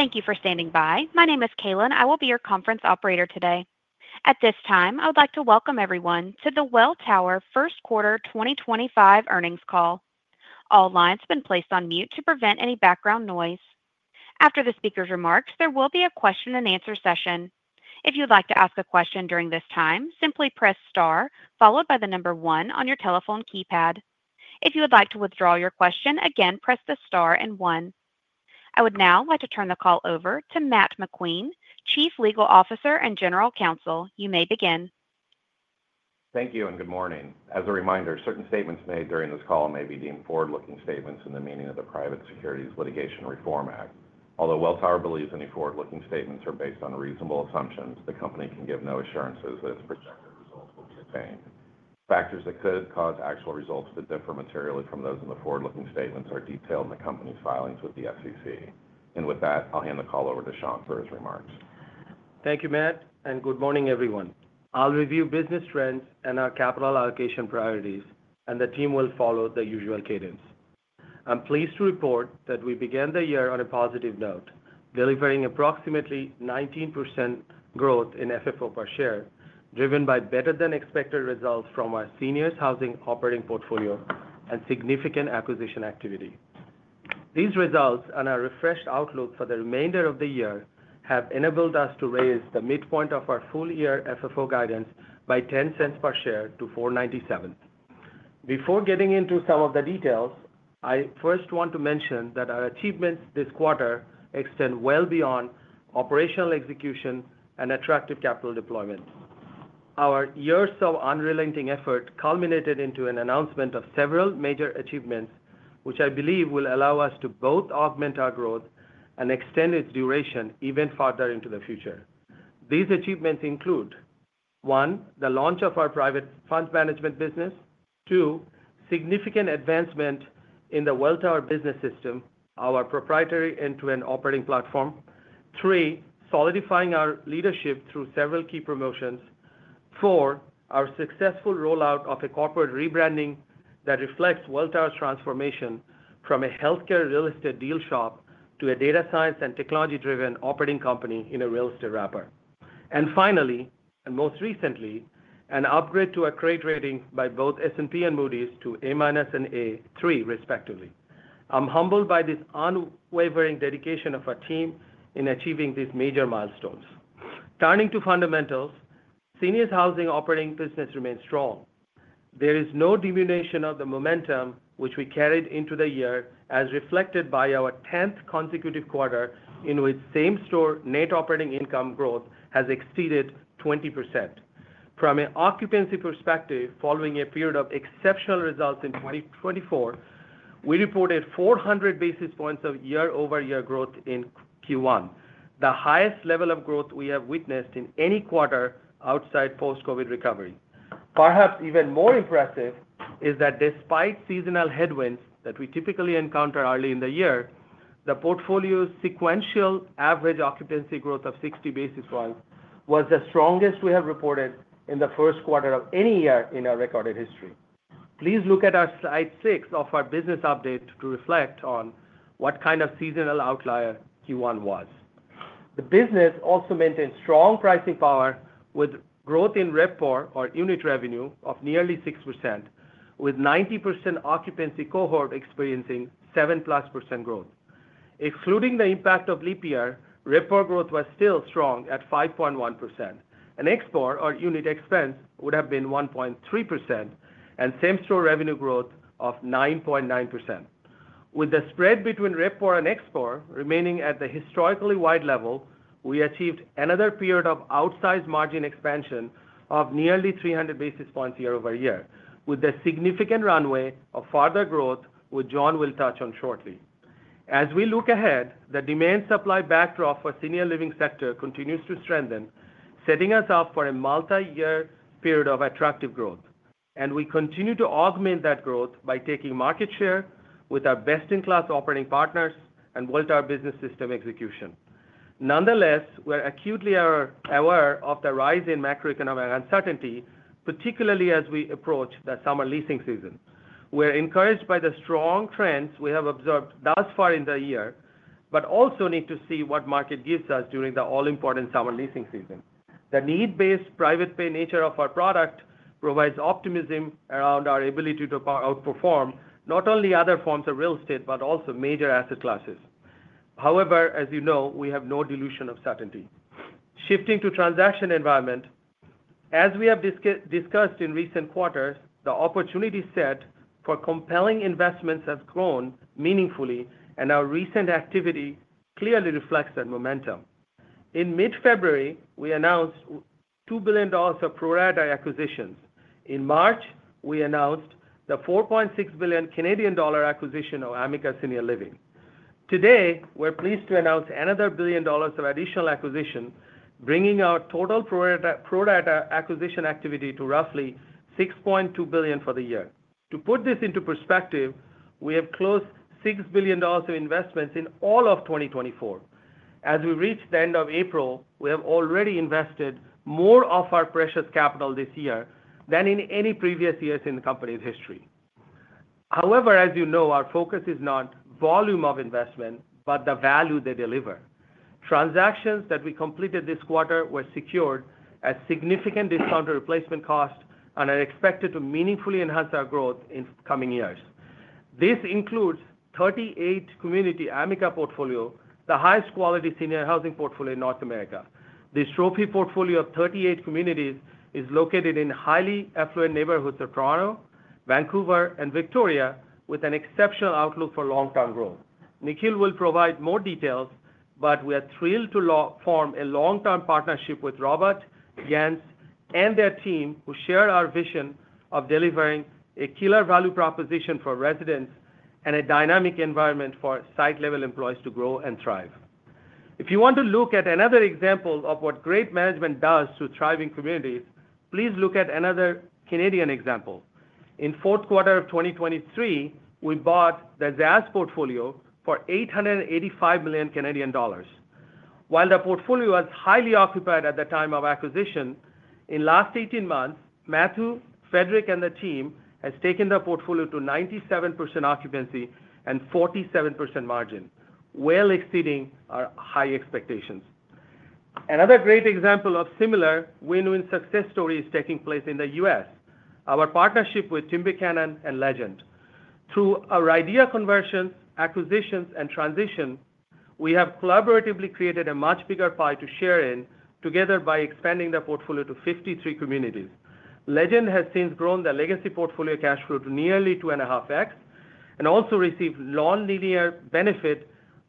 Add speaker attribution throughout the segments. Speaker 1: Thank you for standing by. My name is aylin. I will be your Conference Operator today. At this time, I would like to welcome everyone to the Welltower First Quarter 2025 Earnings Call. All lines have been placed on mute to prevent any background noise. After the speaker's remarks, there will be a question-and-answer session. If you'd like to ask a question during this time, simply press star followed by the number one on your telephone keypad. If you would like to withdraw your question, again, press the star and one. I would now like to turn the call over to Matt McQueen, Chief Legal Officer and General Counsel. You may begin.
Speaker 2: Thank you and good morning. As a reminder, certain statements made during this call may be deemed forward-looking statements in the meaning of the Private Securities Litigation Reform Act. Although Welltower believes any forward-looking statements are based on reasonable assumptions, the company can give no assurances that its projected results will be attained. Factors that could cause actual results to differ materially from those in the forward-looking statements are detailed in the company's filings with the SEC. With that, I'll hand the call over to Shankh for his remarks.
Speaker 3: Thank you, Matt, and good morning, everyone. I'll review business trends and our capital allocation priorities, and the team will follow the usual cadence. I'm pleased to report that we began the year on a positive note, delivering approximately 19% growth in FFO per share, driven by better-than-expected results from our Seniors Housing Operating portfolio and significant acquisition activity. These results and our refreshed outlook for the remainder of the year have enabled us to raise the midpoint of our full-year FFO guidance by $0.10 per share to $4.97. Before getting into some of the details, I first want to mention that our achievements this quarter extend well beyond operational execution and attractive capital deployment. Our years of unrelenting effort culminated into an announcement of several major achievements, which I believe will allow us to both augment our growth and extend its duration even farther into the future. These achievements include: one, the launch of our private fund management business; two, significant advancement in the Welltower Business System, our proprietary end-to-end operating platform; three, solidifying our leadership through several key promotions; four, our successful rollout of a corporate rebranding that reflects Welltower's transformation from a healthcare real estate deal shop to a data science and technology-driven operating company in a real estate wrapper; and finally, and most recently, an upgrade to a trade rating by both S&P and Moody's to A- and A3, respectively. I'm humbled by this unwavering dedication of our team in achieving these major milestones. Turning to fundamentals, Seniors Housing Operating business remains strong. There is no diminution of the momentum which we carried into the year, as reflected by our 10th consecutive quarter in which same-store Net Operating Income growth has exceeded 20%. From an occupancy perspective, following a period of exceptional results in 2024, we reported 400 basis points of year-over-year growth in Q1, the highest level of growth we have witnessed in any quarter outside post-COVID recovery. Perhaps even more impressive is that despite seasonal headwinds that we typically encounter early in the year, the portfolio's sequential average occupancy growth of 60 basis points was the strongest we have reported in the first quarter of any year in our recorded history. Please look at our Slide 6 of our business update to reflect on what kind of seasonal outlier Q1 was. The business also maintained strong pricing power with growth in RevPOR or unit revenue of nearly 6%, with the 90% occupancy cohort experiencing 7%+ growth. Excluding the impact of leap year, RevPOR growth was still strong at 5.1%. An ExpPOR or unit expense would have been 1.3% and same-store revenue growth of 9.9%. With the spread between RevPOR and ExpPOR remaining at the historically wide level, we achieved another period of outsized margin expansion of nearly 300 basis points year-over-year, with the significant runway of further growth, which John will touch on shortly. As we look ahead, the demand-supply backdrop for Senior Living sector continues to strengthen, setting us up for a multi-year period of attractive growth. We continue to augment that growth by taking market share with our best-in-class operating partners and Welltower Business System execution. Nonetheless, we're acutely aware of the rise in macroeconomic uncertainty, particularly as we approach the summer leasing season. We're encouraged by the strong trends we have observed thus far in the year, but also need to see what market gives us during the all-important summer leasing season. The need-based, private-pay nature of our product provides optimism around our ability to outperform not only other forms of real estate but also major asset classes. However, as you know, we have no delusion of certainty. Shifting to transaction environment, as we have discussed in recent quarters, the opportunity set for compelling investments has grown meaningfully, and our recent activity clearly reflects that momentum. In mid-February, we announced $2 billion of pro-rata acquisitions. In March, we announced the 4.6 billion Canadian dollar acquisition of Amica Senior Living. Today, we're pleased to announce another $1 billion of additional acquisition, bringing our total pro-rata acquisition activity to roughly $6.2 billion for the year. To put this into perspective, we have closed $6 billion of investments in all of 2024. As we reach the end of April, we have already invested more of our precious capital this year than in any previous years in the company's history. However, as you know, our focus is not volume of investment, but the value they deliver. Transactions that we completed this quarter were secured at significant discounted replacement cost and are expected to meaningfully enhance our growth in coming years. This includes 38 community Amica portfolio, the highest quality senior housing portfolio in North America. This trophy portfolio of 38 communities is located in highly affluent neighborhoods of Toronto, Vancouver, and Victoria, with an exceptional outlook for long-term growth. Nikhil will provide more details, but we are thrilled to form a long-term partnership with Robert, Jens, and their team, who share our vision of delivering a killer value proposition for residents and a dynamic environment for site-level employees to grow and thrive. If you want to look at another example of what great management does to thriving communities, please look at another Canadian example. In the fourth quarter of 2023, we bought the Jazz portfolio for 885 million Canadian dollars. While the portfolio was highly occupied at the time of acquisition, in the last 18 months, Mathieu, Frédéric, and the team have taken the portfolio to 97% occupancy and 47% margin, well exceeding our high expectations. Another great example of similar win-win success story is taking place in the U.S., our partnership with Tim Buchanan and Legend. Through our RIDEA conversions, acquisitions, and transitions, we have collaboratively created a much bigger pie to share in together by expanding the portfolio to 53 communities. Legend has since grown the Legacy portfolio cash flow to nearly 2.5x and also received non-linear benefit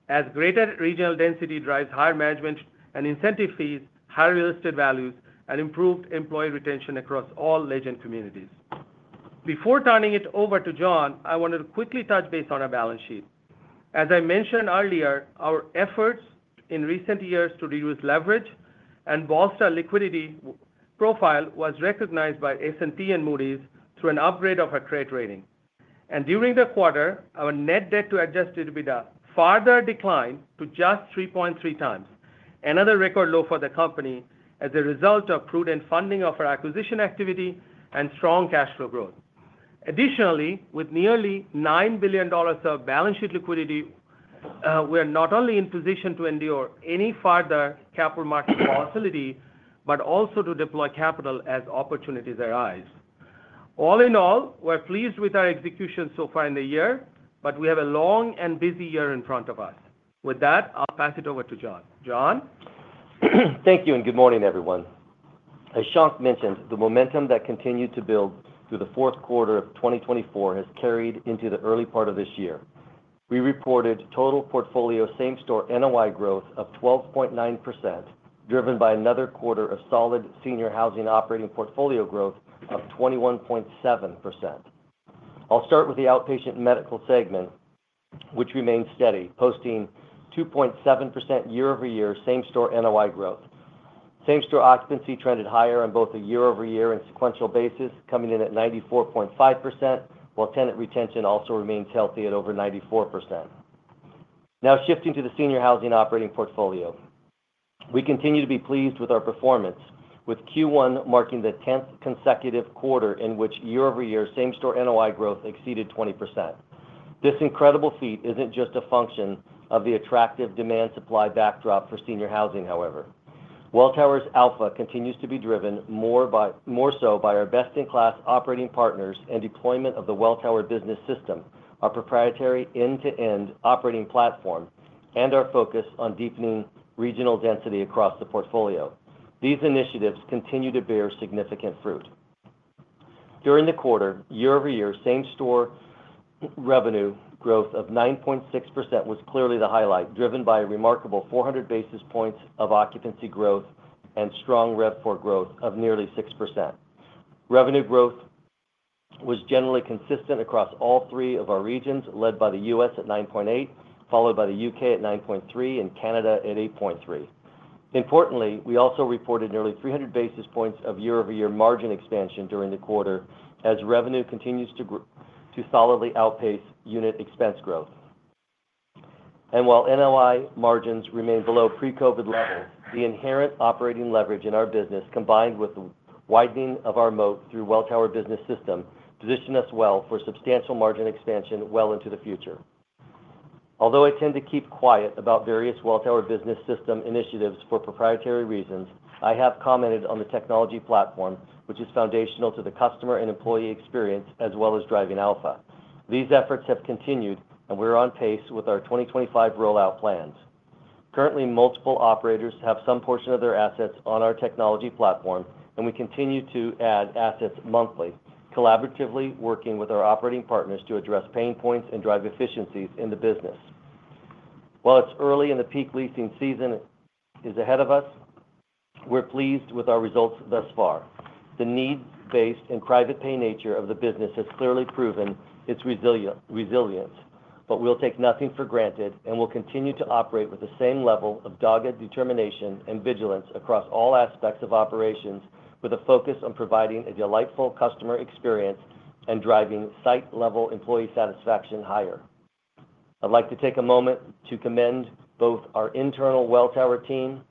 Speaker 3: as greater regional density drives higher management and incentive fees, higher real estate values, and improved employee retention across all Legend communities. Before turning it over to John, I wanted to quickly touch base on our balance sheet. As I mentioned earlier, our efforts in recent years to reduce leverage and bolster liquidity profile were recognized by S&P and Moody's through an upgrade of our trade rating. During the quarter, our Net Debt to Adjusted EBITDA further declined to just 3.3 times, another record low for the company as a result of prudent funding of our acquisition activity and strong cash flow growth. Additionally, with nearly $9 billion of balance sheet liquidity, we are not only in position to endure any further capital market volatility but also to deploy capital as opportunities arise. All in all, we're pleased with our execution so far in the year, but we have a long and busy year in front of us. With that, I'll pass it over to John. John?
Speaker 4: Thank you and good morning, everyone. As Shankh mentioned, the momentum that continued to build through the fourth quarter of 2024 has carried into the early part of this year. We reported total portfolio same-store NOI growth of 12.9%, driven by another quarter of solid Senior Housing Operating portfolio growth of 21.7%. I'll start with the Outpatient Medical segment, which remained steady, posting 2.7% year-over-year same-store NOI growth. Same-store occupancy trended higher on both a year-over-year and sequential basis, coming in at 94.5%, while tenant retention also remains healthy at over 94%. Now, shifting to the Senior Housing Operating portfolio, we continue to be pleased with our performance, with Q1 marking the 10th consecutive quarter in which year-over-year same-store NOI growth exceeded 20%. This incredible feat isn't just a function of the attractive demand-supply backdrop for senior housing, however. Welltower's Alpha continues to be driven more so by our best-in-class operating partners and deployment of the Welltower Business System, our proprietary end-to-end operating platform, and our focus on deepening regional density across the portfolio. These initiatives continue to bear significant fruit. During the quarter, year-over-year same-store revenue growth of 9.6% was clearly the highlight, driven by a remarkable 400 basis points of occupancy growth and strong RevPOR growth of nearly 6%. Revenue growth was generally consistent across all three of our regions, led by the U.S. at 9.8%, followed by the U.K. at 9.3%, and Canada at 8.3%. Importantly, we also reported nearly 300 basis points of year-over-year margin expansion during the quarter, as revenue continues to solidly outpace unit expense growth. While NOI margins remain below pre-COVID levels, the inherent operating leverage in our business, combined with the widening of our moat through the Welltower Business System, positioned us well for substantial margin expansion well into the future. Although I tend to keep quiet about various Welltower Business System initiatives for proprietary reasons, I have commented on the technology platform, which is foundational to the customer and employee experience, as well as driving Alpha. These efforts have continued, and we're on pace with our 2025 rollout plans. Currently, multiple operators have some portion of their assets on our technology platform, and we continue to add assets monthly, collaboratively working with our operating partners to address pain points and drive efficiencies in the business. While it's early in the peak-leasing season ahead of us, we're pleased with our results thus far. The need-based and private-pay nature of the business has clearly proven its resilience, but we'll take nothing for granted and will continue to operate with the same level of dogged determination and vigilance across all aspects of operations, with a focus on providing a delightful customer experience and driving site-level employee satisfaction higher. I'd like to take a moment to commend both our internal Welltower team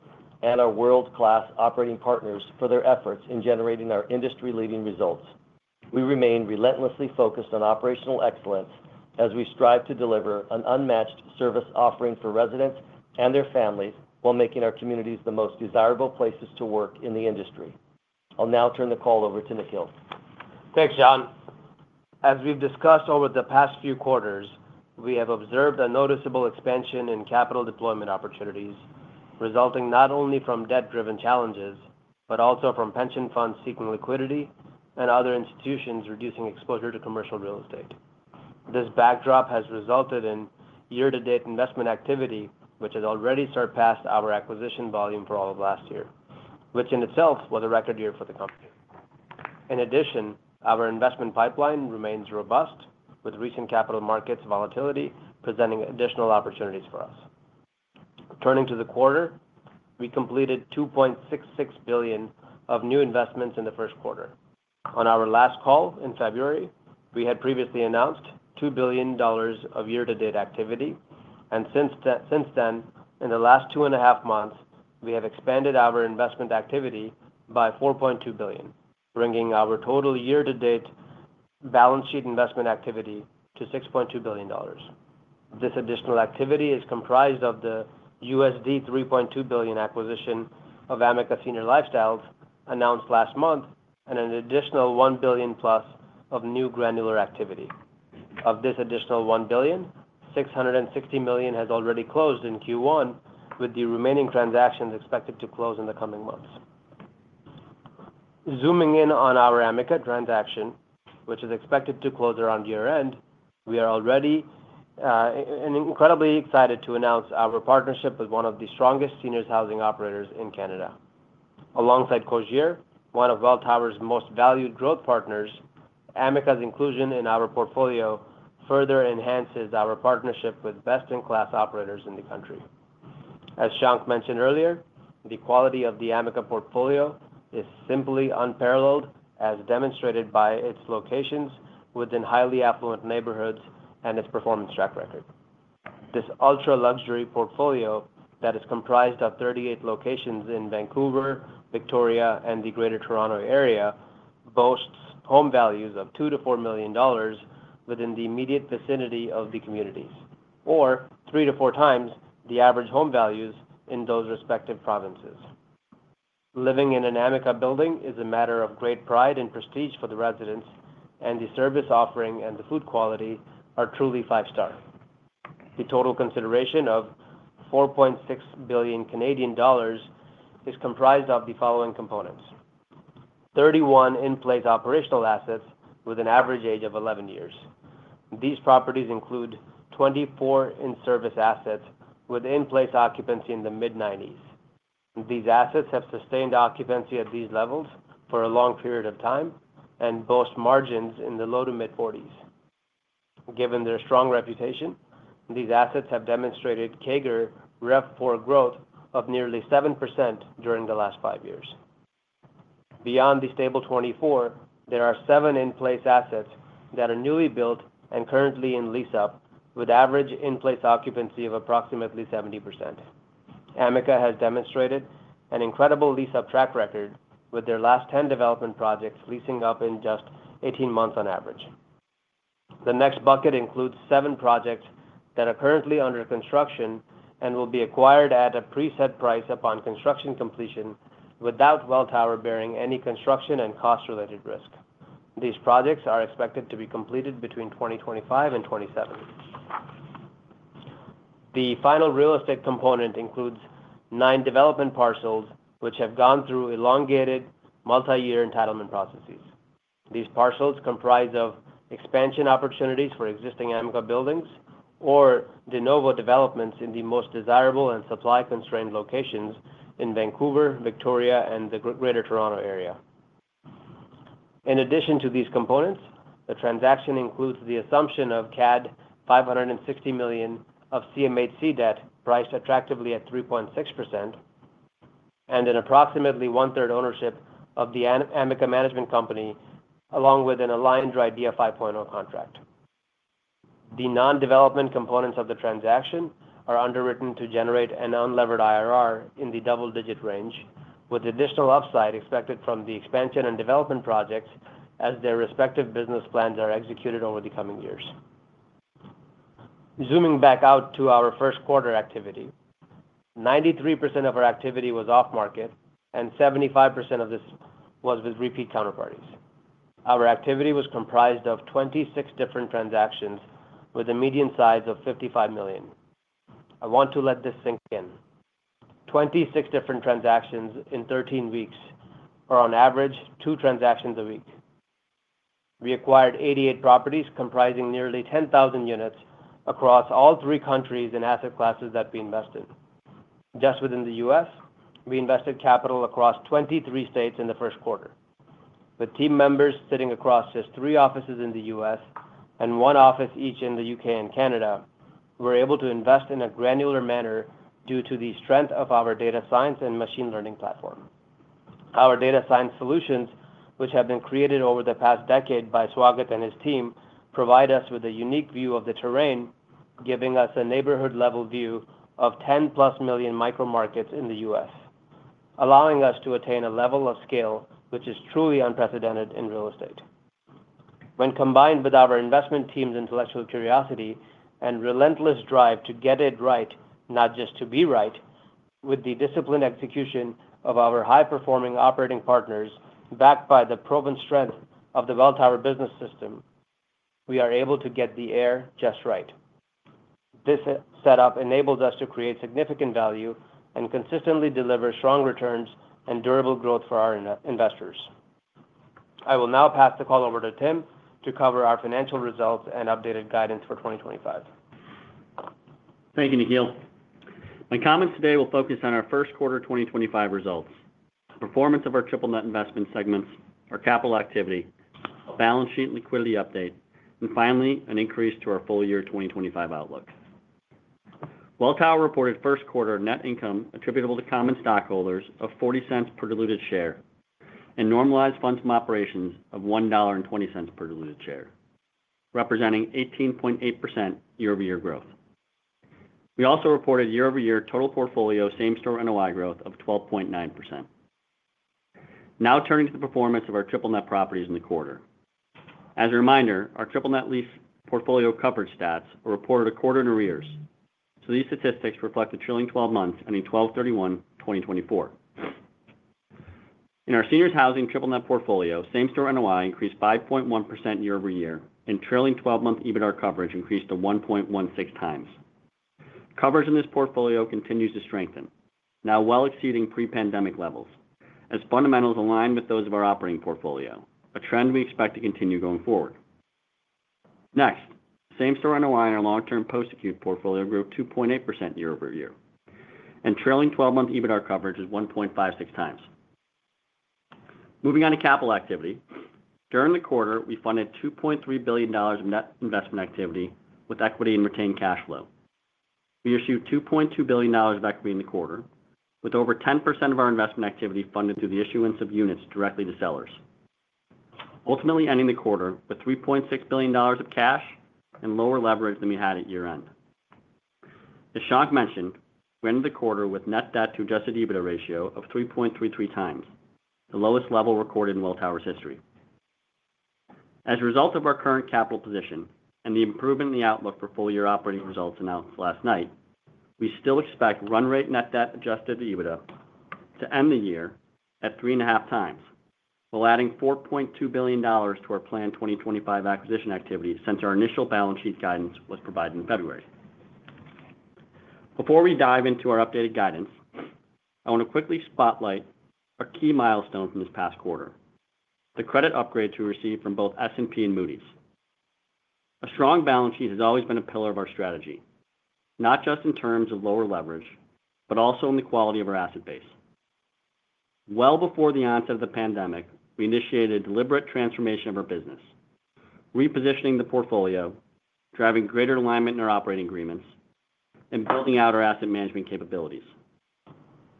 Speaker 4: and our world-class operating partners for their efforts in generating our industry-leading results. We remain relentlessly focused on operational excellence as we strive to deliver an unmatched service offering for residents and their families while making our communities the most desirable places to work in the industry. I'll now turn the call over to Nikhil.
Speaker 5: Thanks, John. As we've discussed over the past few quarters, we have observed a noticeable expansion in capital-deployment opportunities, resulting not only from debt-driven challenges but also from pension funds seeking liquidity and other institutions reducing exposure to commercial real estate. This backdrop has resulted in year-to-date investment activity, which has already surpassed our acquisition volume for all of last year, which in itself was a record year for the company. In addition, our investment pipeline remains robust, with recent capital markets volatility presenting additional opportunities for us. Turning to the quarter, we completed $2.66 billion of new investments in the first quarter. On our last call in February, we had previously announced $2 billion of year-to-date activity. Since then, in the last two and a half months, we have expanded our investment activity by $4.2 billion, bringing our total year-to-date balance sheet investment activity to $6.2 billion. This additional activity is comprised of the $3.2 billion acquisition of Amica Senior Lifestyles announced last month and an additional $1 billion+ of new granular activity. Of this additional $1 billion, $660 million has already closed in Q1, with the remaining transactions expected to close in the coming months. Zooming in on our Amica transaction, which is expected to close around year-end, we are already incredibly excited to announce our partnership with one of the strongest senior housing operators in Canada. Alongside Cogir, one of Welltower's most valued growth partners, Amica's inclusion in our portfolio further enhances our partnership with best-in-class operators in the country. As Shankh mentioned earlier, the quality of the Amica portfolio is simply unparalleled, as demonstrated by its locations within highly affluent neighborhoods and its performance track record. This ultra-luxury portfolio that is comprised of 38 locations in Vancouver, Victoria, and the greater Toronto area boasts home values of 2 million-4 million dollars within the immediate vicinity of the communities, or three to four times the average home values in those respective provinces. Living in an Amica building is a matter of great pride and prestige for the residents, and the service offering and the food quality are truly five-star. The total consideration of 4.6 billion Canadian dollars is comprised of the following components: 31 in-place operational assets with an average age of 11 years. These properties include 24 in-service assets with in-place occupancy in the mid-90%. These assets have sustained occupancy at these levels for a long period of time and boast margins in the low to mid-40%. Given their strong reputation, these assets have demonstrated CAGR RevPOR growth of nearly 7% during the last five years. Beyond the stable 24, there are seven in-place assets that are newly built and currently in lease-up, with average in-place occupancy of approximately 70%. Amica has demonstrated an incredible lease-up track record, with their last 10 development projects leasing up in just 18 months on average. The next bucket includes seven projects that are currently under construction and will be acquired at a preset price upon construction completion without Welltower bearing any construction and cost-related risk. These projects are expected to be completed between 2025 and 2027. The final real estate component includes nine development parcels, which have gone through elongated multi-year entitlement processes. These parcels comprise expansion opportunities for existing Amica buildings or de novo developments in the most desirable and supply-constrained locations in Vancouver, Victoria, and the greater Toronto area. In addition to these components, the transaction includes the assumption of CAD 560 million of CMHC debt priced attractively at 3.6% and an approximately one-third ownership of the Amica Management Company, along with an aligned RIDEA 5.0 contract. The non-development components of the transaction are underwritten to generate an unlevered IRR in the double-digit range, with additional upside expected from the expansion and development projects as their respective business plans are executed over the coming years. Zooming back out to our first quarter activity, 93% of our activity was off-market, and 75% of this was with repeat counterparties. Our activity was comprised of 26 different transactions with a median size of 55 million. I want to let this sink in: 26 different transactions in 13 weeks or, on average, two transactions a week. We acquired 88 properties comprising nearly 10,000 units across all three countries and asset classes that we invested in. Just within the U.S., we invested capital across 23 states in the first quarter. The team members sitting across just three offices in the U.S. and one office each in the U.K. and Canada were able to invest in a granular manner due to the strength of our data science and machine learning platform. Our data science solutions, which have been created over the past decade by Swagat and his team, provide us with a unique view of the terrain, giving us a neighborhood-level view of 10 million+ micro-markets in the U.S., allowing us to attain a level of scale which is truly unprecedented in real estate. When combined with our investment team's intellectual curiosity and relentless drive to get it right, not just to be right, with the disciplined execution of our high-performing operating partners backed by the proven strength of the Welltower Business System, we are able to get the air just right. This setup enables us to create significant value and consistently deliver strong returns and durable growth for our investors. I will now pass the call over to Tim to cover our financial results and updated guidance for 2025.
Speaker 6: Thank you, Nikhil. My comments today will focus on our first quarter 2025 results, the performance of our Triple-net Investment segments, our capital activity, a balance sheet liquidity update, and finally, an increase to our full year 2025 outlook. Welltower reported first quarter net income attributable to common stockholders of $0.40 per diluted share and normalized funds from operations of $1.20 per diluted share, representing 18.8% year-over-year growth. We also reported year-over-year total portfolio same-store NOI growth of 12.9%. Now turning to the performance of our triple net properties in the quarter. As a reminder, our triple net lease portfolio coverage stats were reported a quarter in arrears, so these statistics reflect a trailing 12 months ending December 31, 2024. In our seniors housing triple net portfolio, same-store NOI increased 5.1% year-over-year, and trailing 12-month EBITDA coverage increased to 1.16 times. Coverage in this portfolio continues to strengthen, now well exceeding pre-pandemic levels, as fundamentals align with those of our operating portfolio, a trend we expect to continue going forward. Next, same-store NOI in our Long-Term Post-Acute portfolio grew 2.8% year-over-year, and trailing 12-month EBITDA coverage is 1.56 times. Moving on to capital activity, during the quarter, we funded $2.3 billion of net investment activity with equity and retained cash flow. We issued $2.2 billion of equity in the quarter, with over 10% of our investment activity funded through the issuance of units directly to sellers, ultimately ending the quarter with $3.6 billion of cash and lower leverage than we had at year-end. As Shankh mentioned, we ended the quarter with Net Debt to Adjusted EBITDA ratio of 3.33 times, the lowest level recorded in Welltower's history. As a result of our current capital position and the improvement in the outlook for full-year operating results announced last night, we still expect run-rate Net Debt Adjusted EBITDA to end the year at 3.5 times, while adding $4.2 billion to our planned 2025 acquisition activity since our initial balance sheet guidance was provided in February. Before we dive into our updated guidance, I want to quickly spotlight a key milestone from this past quarter: the credit upgrade we received from both S&P and Moody's. A strong balance sheet has always been a pillar of our strategy, not just in terms of lower leverage, but also in the quality of our asset base. Before the onset of the pandemic, we initiated a deliberate transformation of our business, repositioning the portfolio, driving greater alignment in our operating agreements, and building out our asset management capabilities,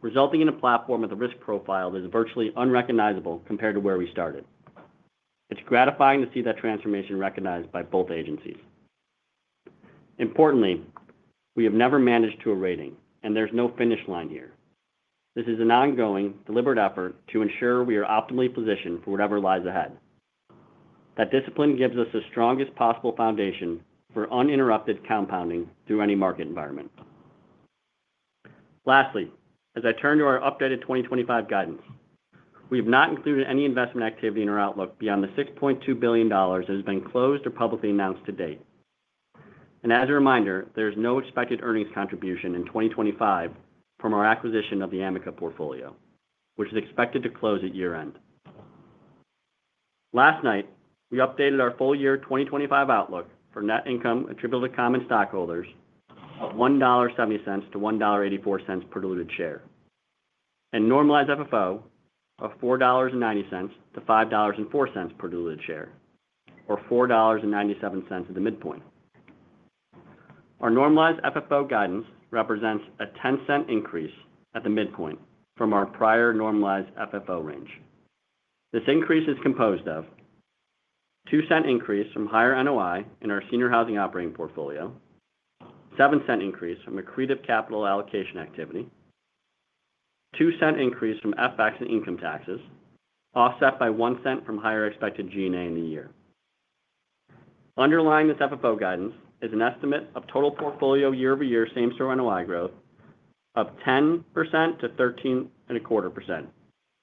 Speaker 6: resulting in a platform with a risk profile that is virtually unrecognizable compared to where we started. It's gratifying to see that transformation recognized by both agencies. Importantly, we have never managed to a rating, and there's no finish line here. This is an ongoing, deliberate effort to ensure we are optimally positioned for whatever lies ahead. That discipline gives us the strongest possible foundation for uninterrupted compounding through any market environment. Lastly, as I turn to our updated 2025 guidance, we have not included any investment activity in our outlook beyond the $6.2 billion that has been closed or publicly announced to date. As a reminder, there is no expected earnings contribution in 2025 from our acquisition of the Amica portfolio, which is expected to close at year-end. Last night, we updated our full year 2025 outlook for net income attributable to common stockholders of $1.70-$1.84 per diluted share and normalized FFO of $4.90-$5.04 per diluted share, or $4.97 at the midpoint. Our normalized FFO guidance represents a $0.10 increase at the midpoint from our prior normalized FFO range. This increase is composed of a $0.02 increase from higher NOI in our Senior Housing Operating portfolio, a $0.07 increase from accretive capital allocation activity, and a $0.02 increase from FX and income taxes, offset by $0.01 from higher expected G&A in the year. Underlying this FFO guidance is an estimate of total portfolio year-over-year same-store NOI growth of 10%-13.25%,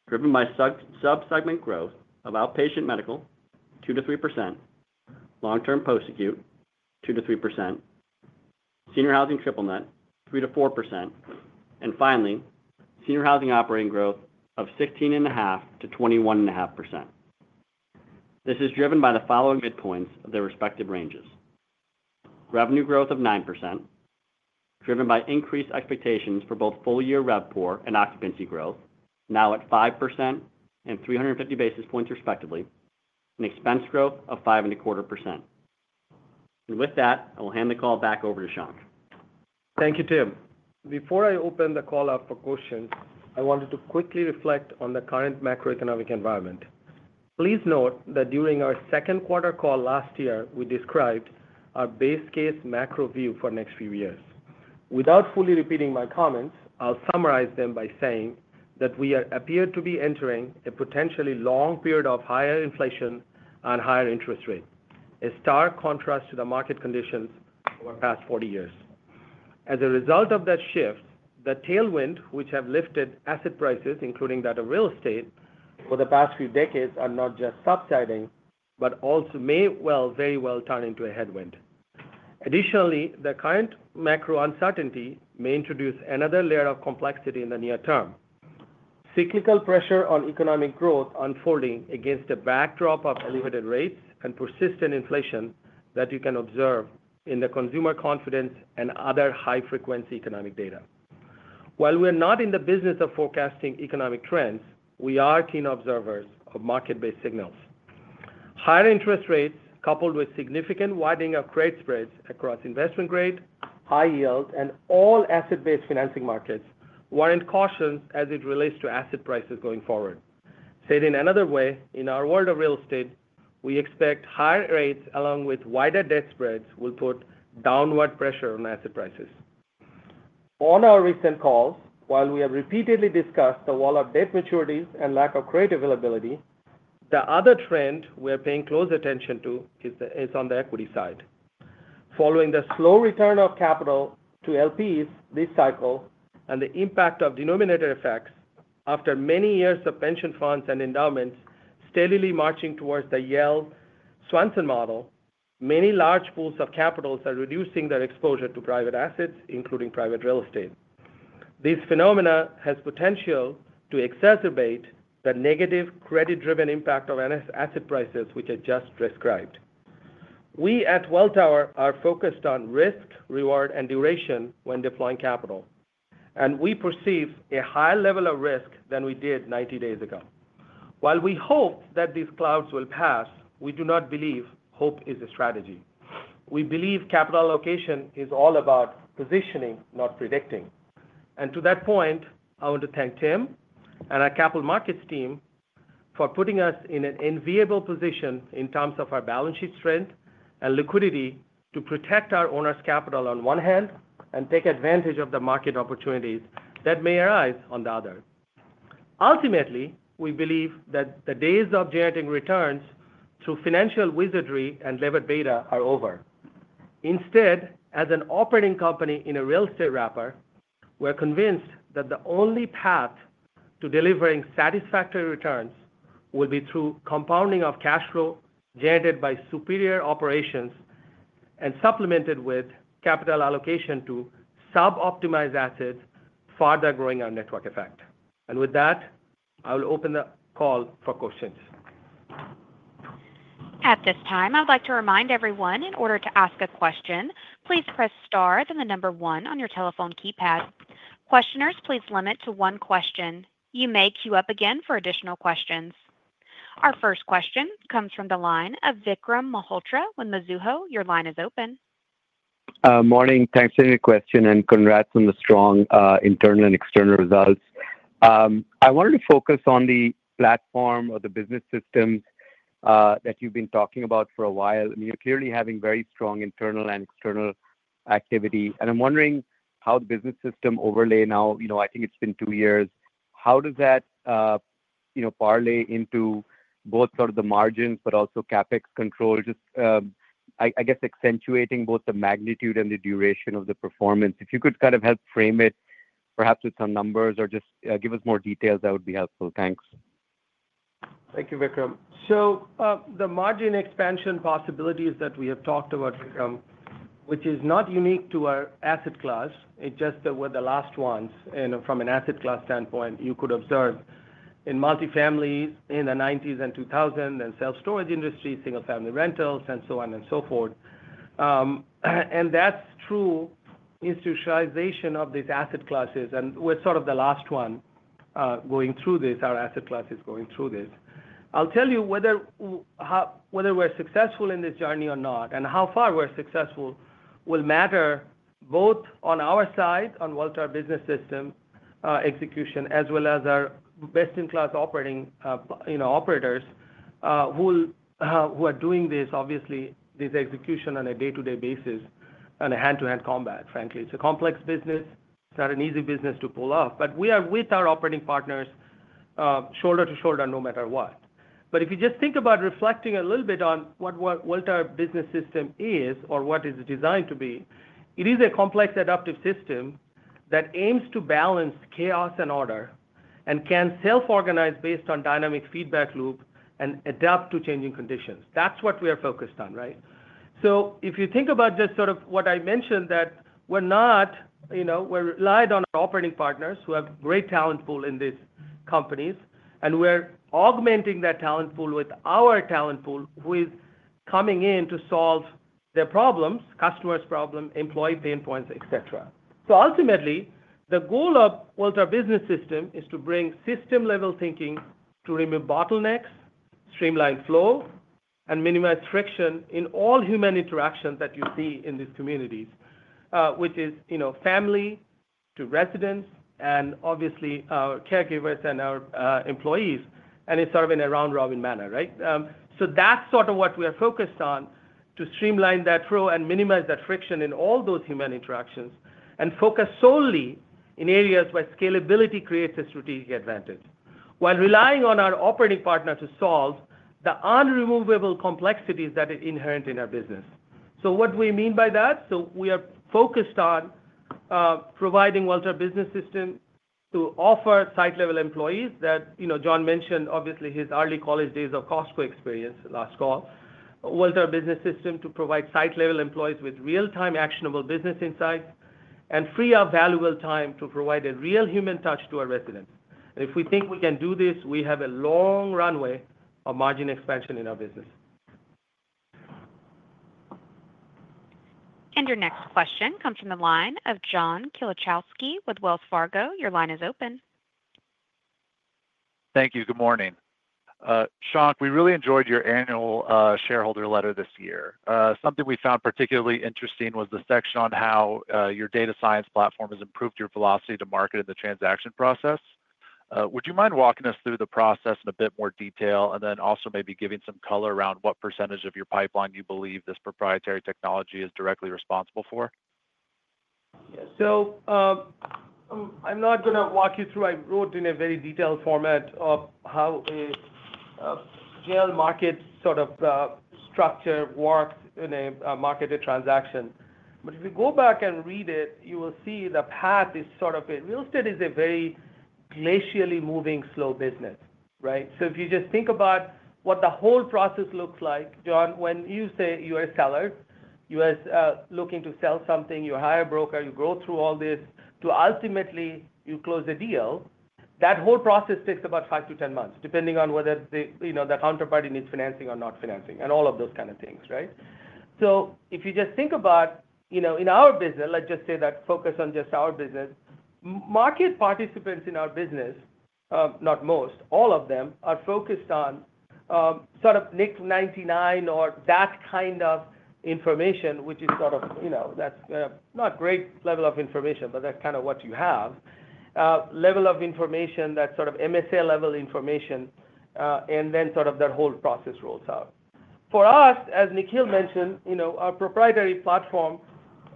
Speaker 6: driven by subsegment growth of Outpatient Medical, 2%-3%, Long-Term Post-Acute, 2%-3%, Senior Housing Triple-net, 3%-4%, and finally, Senior Housing Operating growth of 16.5%-21.5%. This is driven by the following midpoints of their respective ranges: revenue growth of 9%, driven by increased expectations for both full-year RevPOR and occupancy growth, now at 5% and 350 basis points respectively, and expense growth of 5.25%. I will hand the call back over to Shankh.
Speaker 3: Thank you, Tim. Before I open the call up for questions, I wanted to quickly reflect on the current macroeconomic environment. Please note that during our second quarter call last year, we described our base case macro view for the next few years. Without fully repeating my comments, I'll summarize them by saying that we appear to be entering a potentially long period of higher inflation and higher interest rate, a stark contrast to the market conditions over the past 40 years. As a result of that shift, the tailwinds which have lifted asset prices, including that of real estate over the past few decades, are not just subsiding, but also may well, very well, turn into a headwind. Additionally, the current macro uncertainty may introduce another layer of complexity in the near term, cyclical pressure on economic growth unfolding against a backdrop of elevated rates and persistent inflation that you can observe in the consumer confidence and other high-frequency economic data. While we are not in the business of forecasting economic trends, we are keen observers of market-based signals. Higher interest rates, coupled with significant widening of credit spreads across investment grade, high yield, and all asset-based financing markets, warrant cautions as it relates to asset prices going forward. Said in another way, in our world of real estate, we expect higher rates, along with wider debt spreads, will put downward pressure on asset prices. On our recent calls, while we have repeatedly discussed the wall of debt maturities and lack of credit availability, the other trend we are paying close attention to is on the equity side. Following the slow return of capital to LPs this cycle and the impact of denominator effects after many years of pension funds and endowments steadily marching towards the Yale-Swensen model, many large pools of capital are reducing their exposure to private assets, including private real estate. This phenomenon has potential to exacerbate the negative credit-driven impact of asset prices, which I just described. We at Welltower are focused on risk, reward, and duration when deploying capital, and we perceive a higher level of risk than we did 90 days ago. While we hope that these clouds will pass, we do not believe hope is a strategy. We believe capital allocation is all about positioning, not predicting. To that point, I want to thank Tim and our capital markets team for putting us in an enviable position in terms of our balance sheet strength and liquidity to protect our owner's capital on one hand and take advantage of the market opportunities that may arise on the other. Ultimately, we believe that the days of generating returns through financial wizardry and levered beta are over. Instead, as an operating company in a real estate wrapper, we are convinced that the only path to delivering satisfactory returns will be through compounding of cash flow generated by superior operations and supplemented with capital allocation to sub-optimized assets, further growing our network effect. With that, I will open the call for questions.
Speaker 1: At this time, I'd like to remind everyone, in order to ask a question, please press star then the number one on your telephone keypad. Questioners, please limit to one question. You may queue up again for additional questions. Our first question comes from the line of Vikram Malhotra with Mizuho. Your line is open.
Speaker 7: Morning. Thanks for the question, and congrats on the strong internal and external results. I wanted to focus on the platform or the business systems that you've been talking about for a while. You're clearly having very strong internal and external activity. I'm wondering how the business system overlay now. I think it's been two years. How does that parlay into both sort of the margins, but also CapEx control, just, I guess, accentuating both the magnitude and the duration of the performance? If you could kind of help frame it, perhaps with some numbers or just give us more details, that would be helpful. Thanks.
Speaker 3: Thank you, Vikram. The margin expansion possibilities that we have talked about, Vikram, which is not unique to our asset class, it's just that we're the last ones from an asset class standpoint, you could observe in multi-families in the 1990s and 2000, then self-storage industries, single-family rentals, and so on and so forth. That is true institutionalization of these asset classes. We're sort of the last one going through this, our asset class is going through this. I'll tell you whether we're successful in this journey or not, and how far we're successful will matter both on our side, on Welltower Business System execution, as well as our best-in-class operators who are doing this, obviously, this execution on a day-to-day basis and a hand-to-hand combat, frankly. It's a complex business. It's not an easy business to pull off, but we are with our operating partners shoulder to shoulder no matter what. If you just think about reflecting a little bit on what Welltower business system is or what it is designed to be, it is a complex adaptive system that aims to balance chaos and order and can self-organize based on dynamic feedback loop and adapt to changing conditions. That's what we are focused on, right? If you think about just sort of what I mentioned, that we're not, we're relied on our operating partners who have great talent pool in these companies, and we're augmenting that talent pool with our talent pool who is coming in to solve their problems, customers' problems, employee pain points, etc. Ultimately, the goal of Welltower Business System is to bring system-level thinking to remove bottlenecks, streamline flow, and minimize friction in all human interactions that you see in these communities, which is family to residents and obviously our caregivers and our employees, and it's sort of in a round-robin manner, right? That's sort of what we are focused on, to streamline that flow and minimize that friction in all those human interactions and focus solely in areas where scalability creates a strategic advantage, while relying on our operating partner to solve the unremovable complexities that are inherent in our business. What do we mean by that? We are focused on providing Welltower Business System to offer site-level employees that John mentioned, obviously, his early college days of Costco experience last call, Welltower Business System to provide site-level employees with real-time actionable business insights and free up valuable time to provide a real human touch to our residents. If we think we can do this, we have a long runway of margin expansion in our business.
Speaker 1: Your next question comes from the line of John Kilichowski with Wells Fargo. Your line is open.
Speaker 8: Thank you. Good morning. Shankh, we really enjoyed your annual shareholder letter this year. Something we found particularly interesting was the section on how your data science platform has improved your velocity to market in the transaction process. Would you mind walking us through the process in a bit more detail and then also maybe giving some color around what percentage of your pipeline you believe this proprietary technology is directly responsible for?
Speaker 3: Yeah. I'm not going to walk you through. I wrote in a very detailed format of how a JLL marketed sort of structure works in a marketed transaction. If you go back and read it, you will see the path is sort of a real estate is a very glacially moving slow business, right? If you just think about what the whole process looks like, John, when you say you are a seller, you are looking to sell something, you hire a broker, you go through all this to ultimately you close a deal, that whole process takes about five to 10 months, depending on whether the counterparty needs financing or not financing and all of those kind of things, right? If you just think about in our business, let's just say that focus on just our business, market participants in our business, not most, all of them are focused on sort of NIC 99 or that kind of information, which is sort of that's not great level of information, but that's kind of what you have, level of information that's sort of MSA level information, and then sort of that whole process rolls out. For us, as Nikhil mentioned, our proprietary platform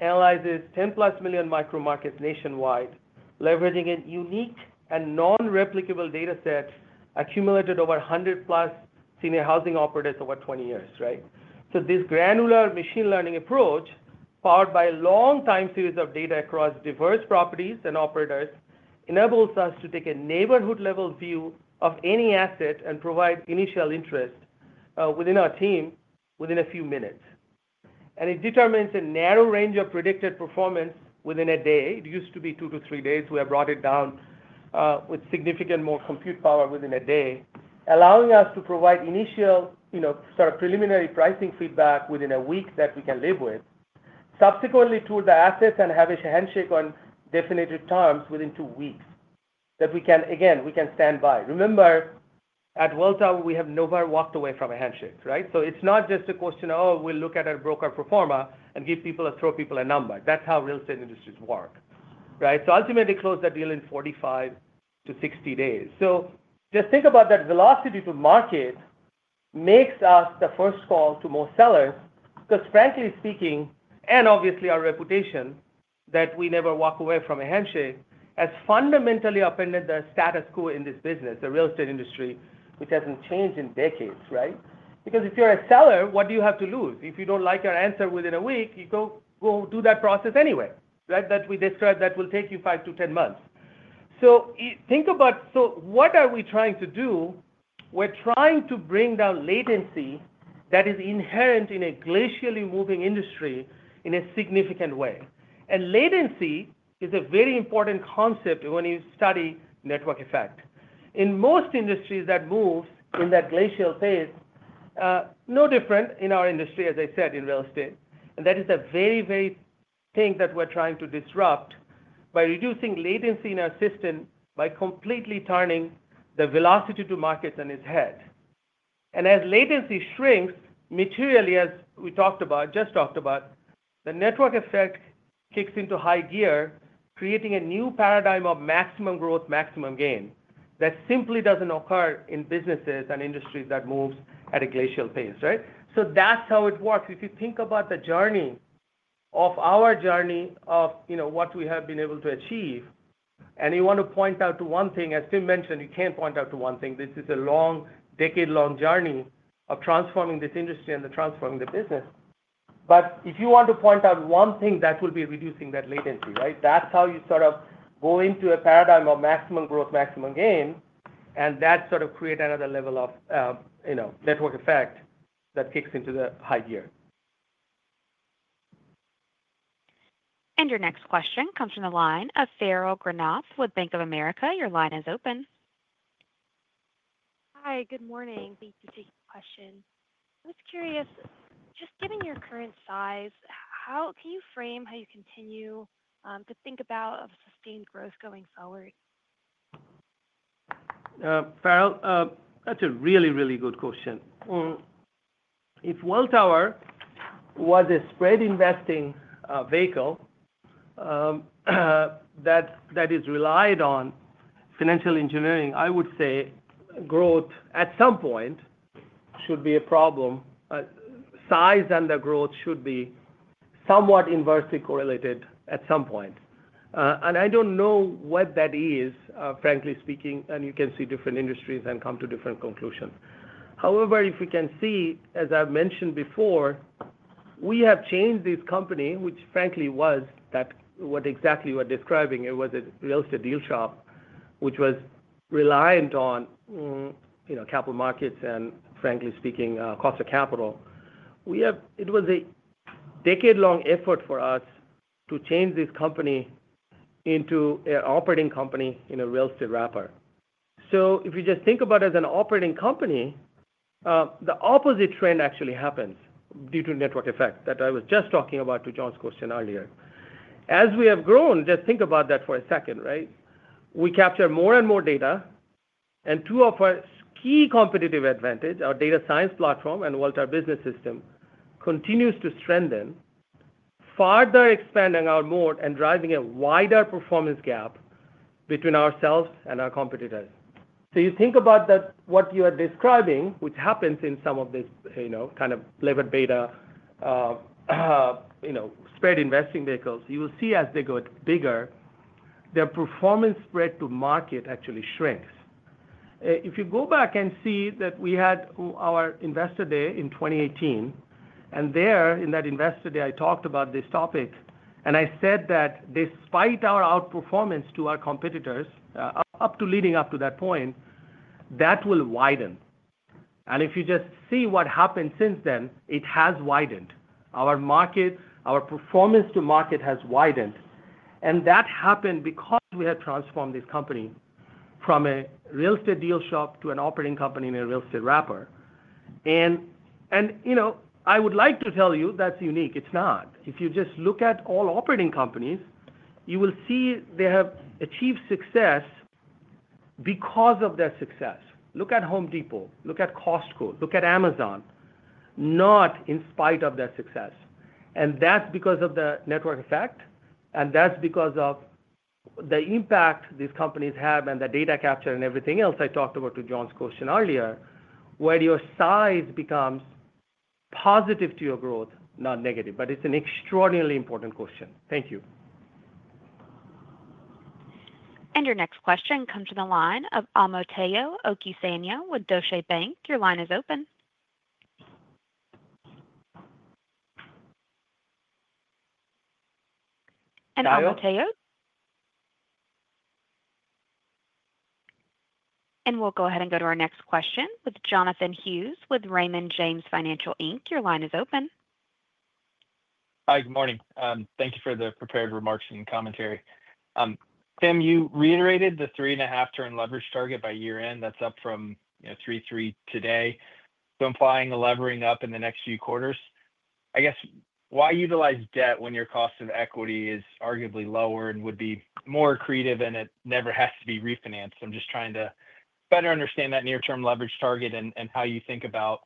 Speaker 3: analyzes 10 plus million micro markets nationwide, leveraging a unique and non-replicable data set accumulated over 100+ senior housing operators over 20 years, right? This granular machine learning approach powered by a long time series of data across diverse properties and operators enables us to take a neighborhood level view of any asset and provide initial interest within our team within a few minutes. It determines a narrow range of predicted performance within a day. It used to be two to three days. We have brought it down with significantly more compute power within a day, allowing us to provide initial sort of preliminary pricing feedback within a week that we can live with, subsequently tour the assets and have a handshake on definitive terms within two weeks that we can, again, we can stand by. Remember, at Welltower, we have never walked away from a handshake, right? It is not just a question of, "Oh, we'll look at our broker pro forma and give people or throw people a number." That is how real estate industries work, right? Ultimately, close that deal in 45-60 days. Just think about that velocity to market makes us the first call to most sellers because, frankly speaking, and obviously our reputation that we never walk away from a handshake has fundamentally upended the status quo in this business, the real estate industry, which has not changed in decades, right? Because if you are a seller, what do you have to lose? If you do not like your answer within a week, you go do that process anyway, right, that we described that will take you five to 10 months. Think about, what are we trying to do? We are trying to bring down latency that is inherent in a glacially moving industry in a significant way. Latency is a very important concept when you study network effect. In most industries that move in that glacial phase, no different in our industry, as I said, in real estate. That is a very, very thing that we're trying to disrupt by reducing latency in our system by completely turning the velocity to markets on its head. As latency shrinks materially, as we just talked about, the network effect kicks into high gear, creating a new paradigm of maximum growth, maximum gain that simply doesn't occur in businesses and industries that move at a glacial pace, right? That's how it works. If you think about the journey of our journey of what we have been able to achieve, and you want to point out to one thing, as Tim mentioned, you can't point out to one thing. This is a long, decade-long journey of transforming this industry and transforming the business. If you want to point out one thing that will be reducing that latency, right, that's how you sort of go into a paradigm of maximum growth, maximum gain, and that sort of creates another level of network effect that kicks into the high gear.
Speaker 1: Your next question comes from the line of Farrell Granath with Bank of America. Your line is open.
Speaker 9: Hi. Good morning. B2C question. I was curious, just given your current size, how can you frame how you continue to think about sustained growth going forward?
Speaker 3: Farrell, that's a really, really good question. If Welltower was a spread investing vehicle that is relied on financial engineering, I would say growth at some point should be a problem. Size and the growth should be somewhat inversely correlated at some point. I don't know what that is, frankly speaking, and you can see different industries and come to different conclusions. However, if we can see, as I've mentioned before, we have changed this company, which frankly was that what exactly we're describing. It was a real estate deal shop, which was reliant on capital markets and, frankly speaking, cost of capital. It was a decade-long effort for us to change this company into an operating company in a real estate wrapper. If you just think about it as an operating company, the opposite trend actually happens due to network effect that I was just talking about to John's question earlier. As we have grown, just think about that for a second, right? We capture more and more data, and two of our key competitive advantages, our data science platform and Welltower Business System, continues to strengthen, further expanding our moat and driving a wider performance gap between ourselves and our competitors. You think about what you are describing, which happens in some of these kind of levered beta spread investing vehicles, you will see as they get bigger, their performance spread to market actually shrinks. If you go back and see that we had our investor day in 2018, and there in that investor day, I talked about this topic, and I said that despite our outperformance to our competitors up to leading up to that point, that will widen. If you just see what happened since then, it has widened. Our market, our performance to market has widened. That happened because we had transformed this company from a real estate deal shop to an operating company in a real estate wrapper. I would like to tell you that's unique. It's not. If you just look at all operating companies, you will see they have achieved success because of their success. Look at Home Depot. Look at Costco. Look at Amazon, not in spite of their success. That is because of the network effect, and that is because of the impact these companies have and the data capture and everything else I talked about to John's question earlier, where your size becomes positive to your growth, not negative. It is an extraordinarily important question. Thank you.
Speaker 1: Your next question comes from the line of Omotayo Okusanya with Deutsche Bank. Your line is open. Hello Omotayo.
Speaker 3: Hello.
Speaker 1: We will go ahead and go to our next question with Jonathan Hughes with Raymond James. Your line is open.
Speaker 10: Hi. Good morning. Thank you for the prepared remarks and commentary. Tim, you reiterated the three and a half turn leverage target by year-end. That is up from 3.3 today. I am flying the levering up in the next few quarters. I guess, why utilize debt when your cost of equity is arguably lower and would be more accretive and it never has to be refinanced? I am just trying to better understand that near-term leverage target and how you think about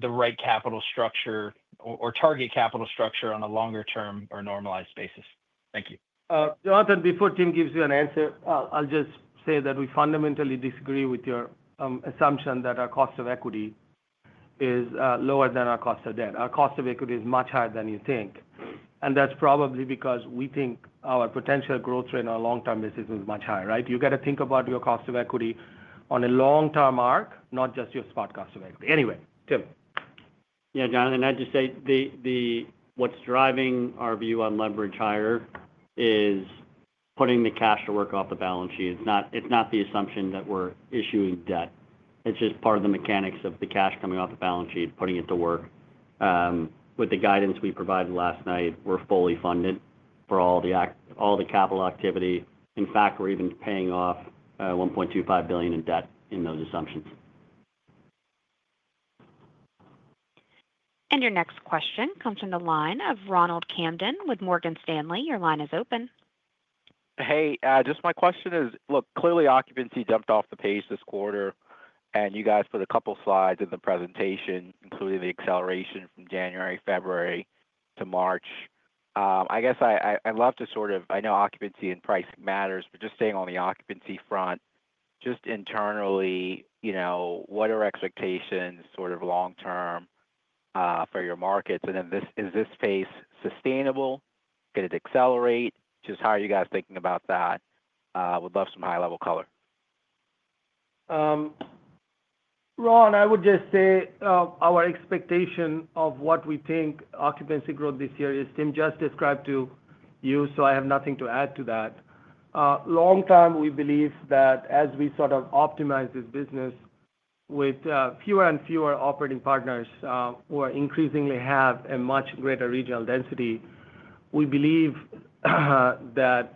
Speaker 10: the right capital structure or target capital structure on a longer term or normalized basis. Thank you.
Speaker 3: Jonathan, before Tim gives you an answer, I'll just say that we fundamentally disagree with your assumption that our cost of equity is lower than our cost of debt. Our cost of equity is much higher than you think. That's probably because we think our potential growth rate on a long-term basis is much higher, right? You got to think about your cost of equity on a long-term arc, not just your spot cost of equity. Anyway, Tim.
Speaker 6: Yeah, Jonathan, I'd just say what's driving our view on leverage higher is putting the cash to work off the balance sheet. It's not the assumption that we're issuing debt. It's just part of the mechanics of the cash coming off the balance sheet, putting it to work. With the guidance we provided last night, we're fully funded for all the capital activity. In fact, we're even paying off $1.25 billion in debt in those assumptions.
Speaker 1: Your next question comes from the line of Ronald Kamdem with Morgan Stanley. Your line is open.
Speaker 11: Hey, just my question is, look, clearly occupancy jumped off the page this quarter, and you guys put a couple of slides in the presentation, including the acceleration from January, February to March. I guess I'd love to sort of, I know occupancy and price matters, but just staying on the occupancy front, just internally, what are expectations sort of long-term for your markets? Is this pace sustainable? Can it accelerate? Just how are you guys thinking about that? Would love some high-level color.
Speaker 3: Ron, I would just say our expectation of what we think occupancy growth this year is, Tim just described to you, so I have nothing to add to that. Long time, we believe that as we sort of optimize this business with fewer and fewer operating partners who increasingly have a much greater regional density, we believe that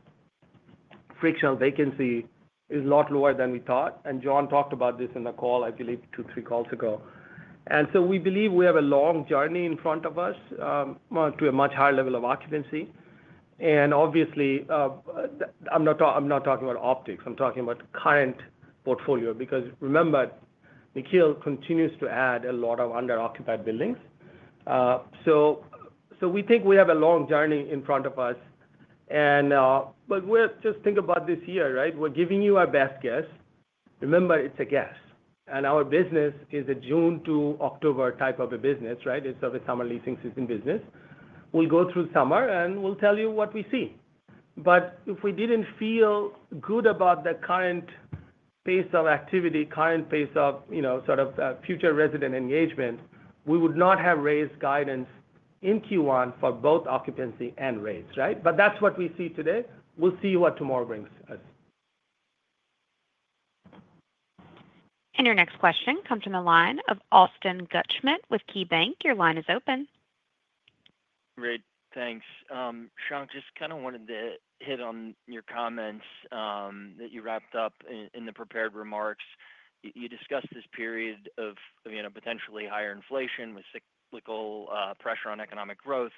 Speaker 3: frictional vacancy is a lot lower than we thought. John talked about this in the call, I believe, two, three calls ago. We believe we have a long journey in front of us to a much higher level of occupancy. Obviously, I'm not talking about optics. I'm talking about current portfolio because remember, Nikhil continues to add a lot of under-occupied buildings. We think we have a long journey in front of us. Just think about this year, right? We're giving you our best guess. Remember, it's a guess. Our business is a June to October type of a business, right? It's a summer-leasing season business. We will go through summer and we will tell you what we see. If we did not feel good about the current pace of activity, current pace of sort of future resident engagement, we would not have raised guidance in Q1 for both occupancy and rates, right? That is what we see today. We will see what tomorrow brings us.
Speaker 1: Your next question comes from the line of Austin Wurschmidt with KeyBanc. Your line is open.
Speaker 12: Great. Thanks. Shankh, just kind of wanted to hit on your comments that you wrapped up in the prepared remarks. You discussed this period of potentially higher inflation with cyclical pressure on economic growth,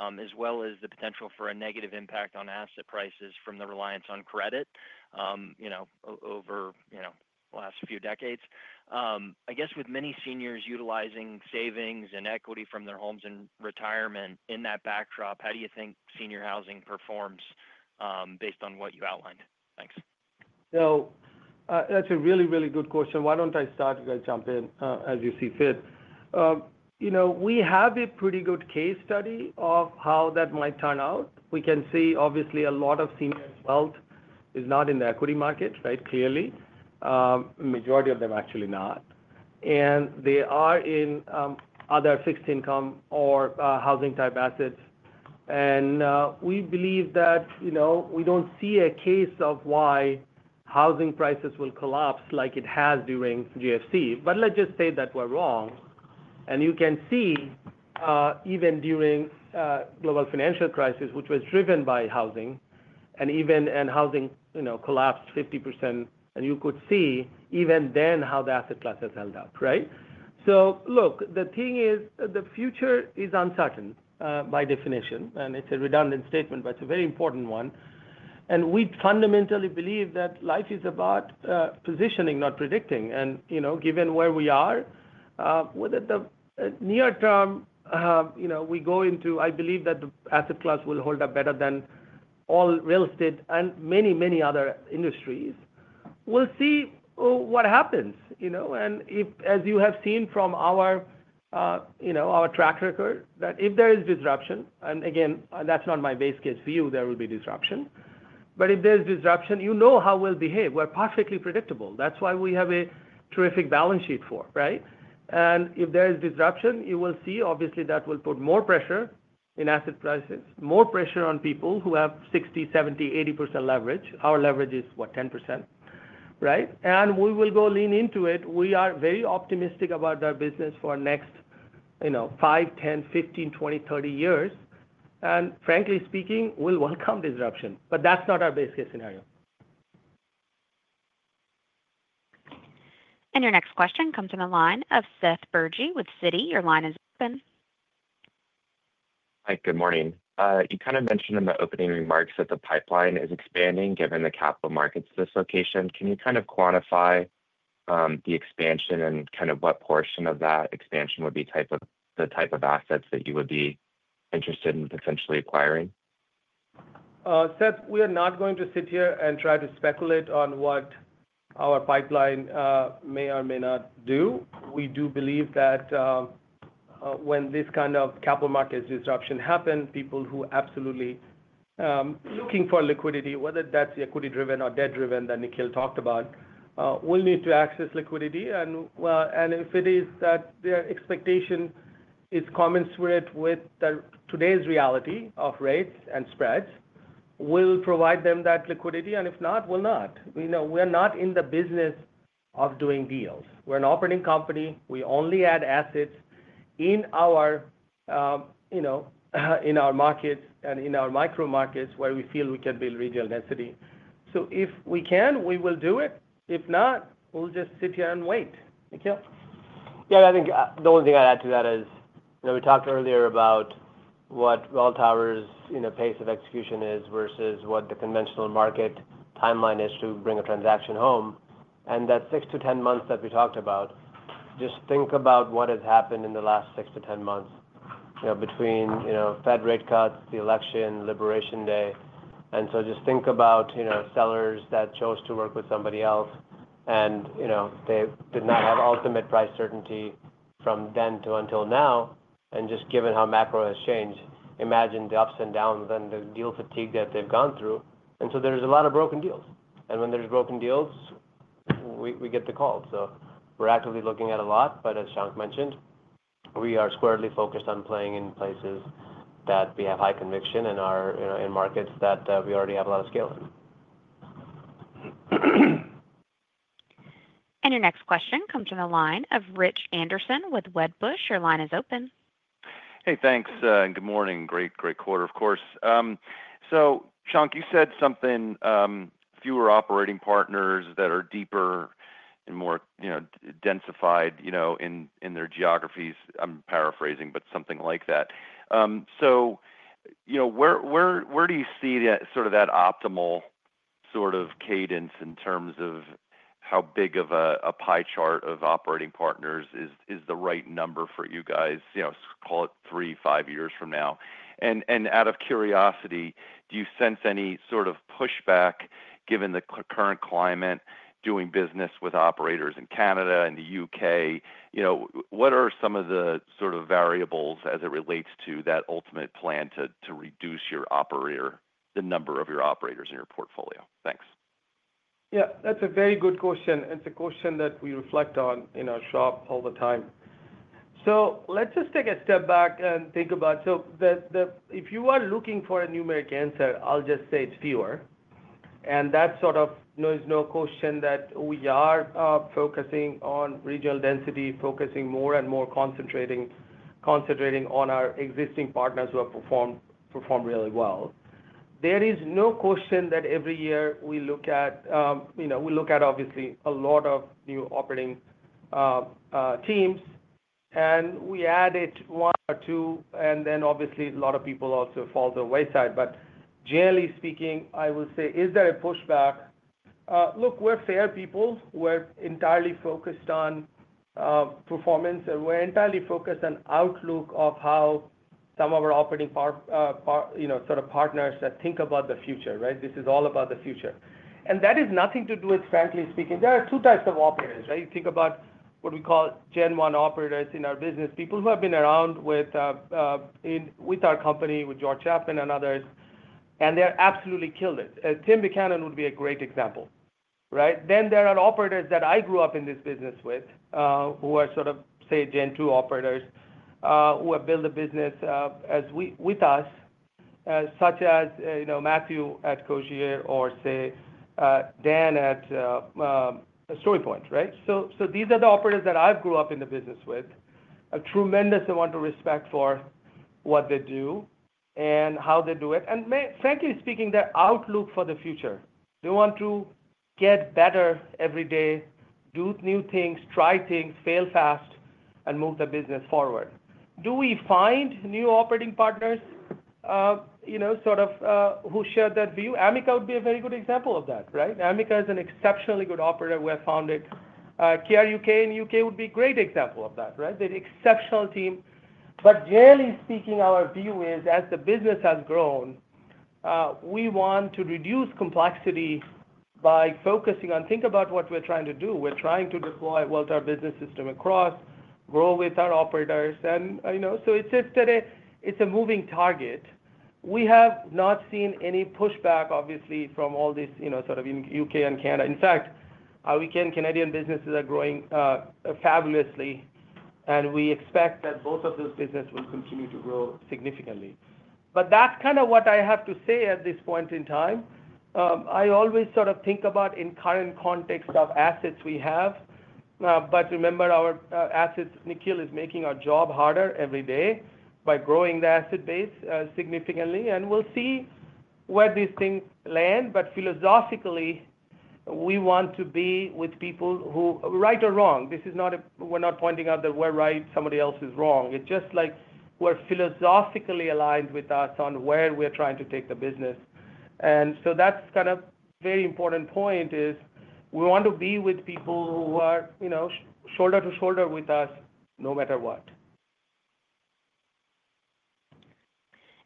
Speaker 12: as well as the potential for a negative impact on asset prices from the reliance on credit over the last few decades. I guess with many seniors utilizing savings and equity from their homes and retirement in that backdrop, how do you think senior housing performs based on what you outlined? Thanks.
Speaker 3: That is a really, really good question. Why do I not start? You guys jump in as you see fit. We have a pretty good case study of how that might turn out. We can see, obviously, a lot of seniors' wealth is not in the equity market, right? Clearly, the majority of them actually not. They are in other fixed income or housing-type assets. We believe that we do not see a case of why housing prices will collapse like it has during GFC. Let us just say that we are wrong. You can see even during the global financial crisis, which was driven by housing, and housing collapsed 50%, you could see even then how the asset class has held up, right? The thing is the future is uncertain by definition. It is a redundant statement, but it is a very important one. We fundamentally believe that life is about positioning, not predicting. Given where we are, whether the near-term we go into, I believe that the asset class will hold up better than all real estate and many, many other industries. We'll see what happens. As you have seen from our track record, if there is disruption, and again, that's not my base case view, there will be disruption. If there's disruption, you know how we'll behave. We're perfectly predictable. That's why we have a terrific balance sheet for, right? If there is disruption, you will see, obviously, that will put more pressure in asset prices, more pressure on people who have 60%, 70%, 80% leverage. Our leverage is, what, 10%, right? We will go lean into it. We are very optimistic about our business for the next five, 10, 15, 20, 30 years. Frankly speaking, we'll welcome disruption. That's not our base case scenario.
Speaker 1: Your next question comes from the line of Seth Bergey with Citi. Your line is open.
Speaker 13: Hi. Good morning. You kind of mentioned in the opening remarks that the pipeline is expanding given the capital markets dislocation. Can you kind of quantify the expansion and kind of what portion of that expansion would be the type of assets that you would be interested in potentially acquiring?
Speaker 3: Seth, we are not going to sit here and try to speculate on what our pipeline may or may not do. We do believe that when this kind of capital market disruption happens, people who are absolutely looking for liquidity, whether that's equity-driven or debt-driven that Nikhil talked about, will need to access liquidity. If it is that their expectation is commensurate with today's reality of rates and spreads, we'll provide them that liquidity. If not, we'll not. We are not in the business of doing deals. We're an operating company. We only add assets in our markets and in our micro markets where we feel we can build regional density. If we can, we will do it. If not, we'll just sit here and wait. Nikhil?
Speaker 5: Yeah. I think the only thing I'd add to that is we talked earlier about what Welltower's pace of execution is versus what the conventional market timeline is to bring a transaction home. That six to 10 months that we talked about, just think about what has happened in the last six to 10 months between Fed rate cuts, the election, Liberation Day. Just think about sellers that chose to work with somebody else, and they did not have ultimate price certainty from then until now. Just given how macro has changed, imagine the ups and downs and the deal fatigue that they've gone through. There are a lot of broken deals. When there are broken deals, we get the call. We are actively looking at a lot. As Shankh mentioned, we are squarely focused on playing in places that we have high conviction and in markets that we already have a lot of scale in.
Speaker 1: Your next question comes from the line of Rich Anderson with Wedbush. Your line is open.
Speaker 14: Hey, thanks. Good morning. Great, great quarter, of course. Shankh, you said something, fewer operating partners that are deeper and more densified in their geographies. I'm paraphrasing, but something like that. Where do you see sort of that optimal sort of cadence in terms of how big of a pie chart of operating partners is the right number for you guys? Call it three, five years from now. Out of curiosity, do you sense any sort of pushback given the current climate doing business with operators in Canada and the U.K.? What are some of the sort of variables as it relates to that ultimate plan to reduce the number of your operators in your portfolio? Thanks.
Speaker 3: Yeah. That's a very good question. It's a question that we reflect on in our shop all the time. Let's just take a step back and think about, if you are looking for a numeric answer, I'll just say it's fewer. That's sort of no question that we are focusing on regional density, focusing more and more, concentrating on our existing partners who have performed really well. There is no question that every year we look at, we look at obviously a lot of new operating teams, and we add one or two, and then obviously a lot of people also fall to the wayside. Generally speaking, I will say, is there a pushback? Look, we're fair people. We're entirely focused on performance, and we're entirely focused on outlook of how some of our operating partners sort of think about the future, right? This is all about the future. That is nothing to do with, frankly speaking, there are two types of operators, right? You think about what we call Gen One operators in our business, people who have been around with our company, with George Chapman and others, and they have absolutely killed it. Tim Buchanan would be a great example, right? There are operators that I grew up in this business with who are sort of, say, Gen Two operators who have built a business with us, such as Mathieu at Cogir or, say, Dan at StoryPoint, right? These are the operators that I have grown up in the business with, a tremendous amount of respect for what they do and how they do it. Frankly speaking, their outlook for the future. They want to get better every day, do new things, try things, fail fast, and move the business forward. Do we find new operating partners sort of who share that view? Amica would be a very good example of that, right? Amica is an exceptionally good operator. We have found it. Care UK in the U.K. would be a great example of that, right? They're an exceptional team. Generally speaking, our view is, as the business has grown, we want to reduce complexity by focusing on, think about what we're trying to do. We're trying to deploy Welltower Business System across, grow with our operators. It is a moving target. We have not seen any pushback, obviously, from all this sort of U.K. and Canada. In fact, we can say Canadian businesses are growing fabulously, and we expect that both of those businesses will continue to grow significantly. That is kind of what I have to say at this point in time. I always sort of think about in current context of assets we have. Remember, Nikhil is making our job harder every day by growing the asset base significantly. We will see where these things land. Philosophically, we want to be with people who, right or wrong, this is not we are not pointing out that we are right; somebody else is wrong. It is just like we are philosophically aligned with us on where we are trying to take the business. That is kind of a very important point. We want to be with people who are shoulder to shoulder with us no matter what.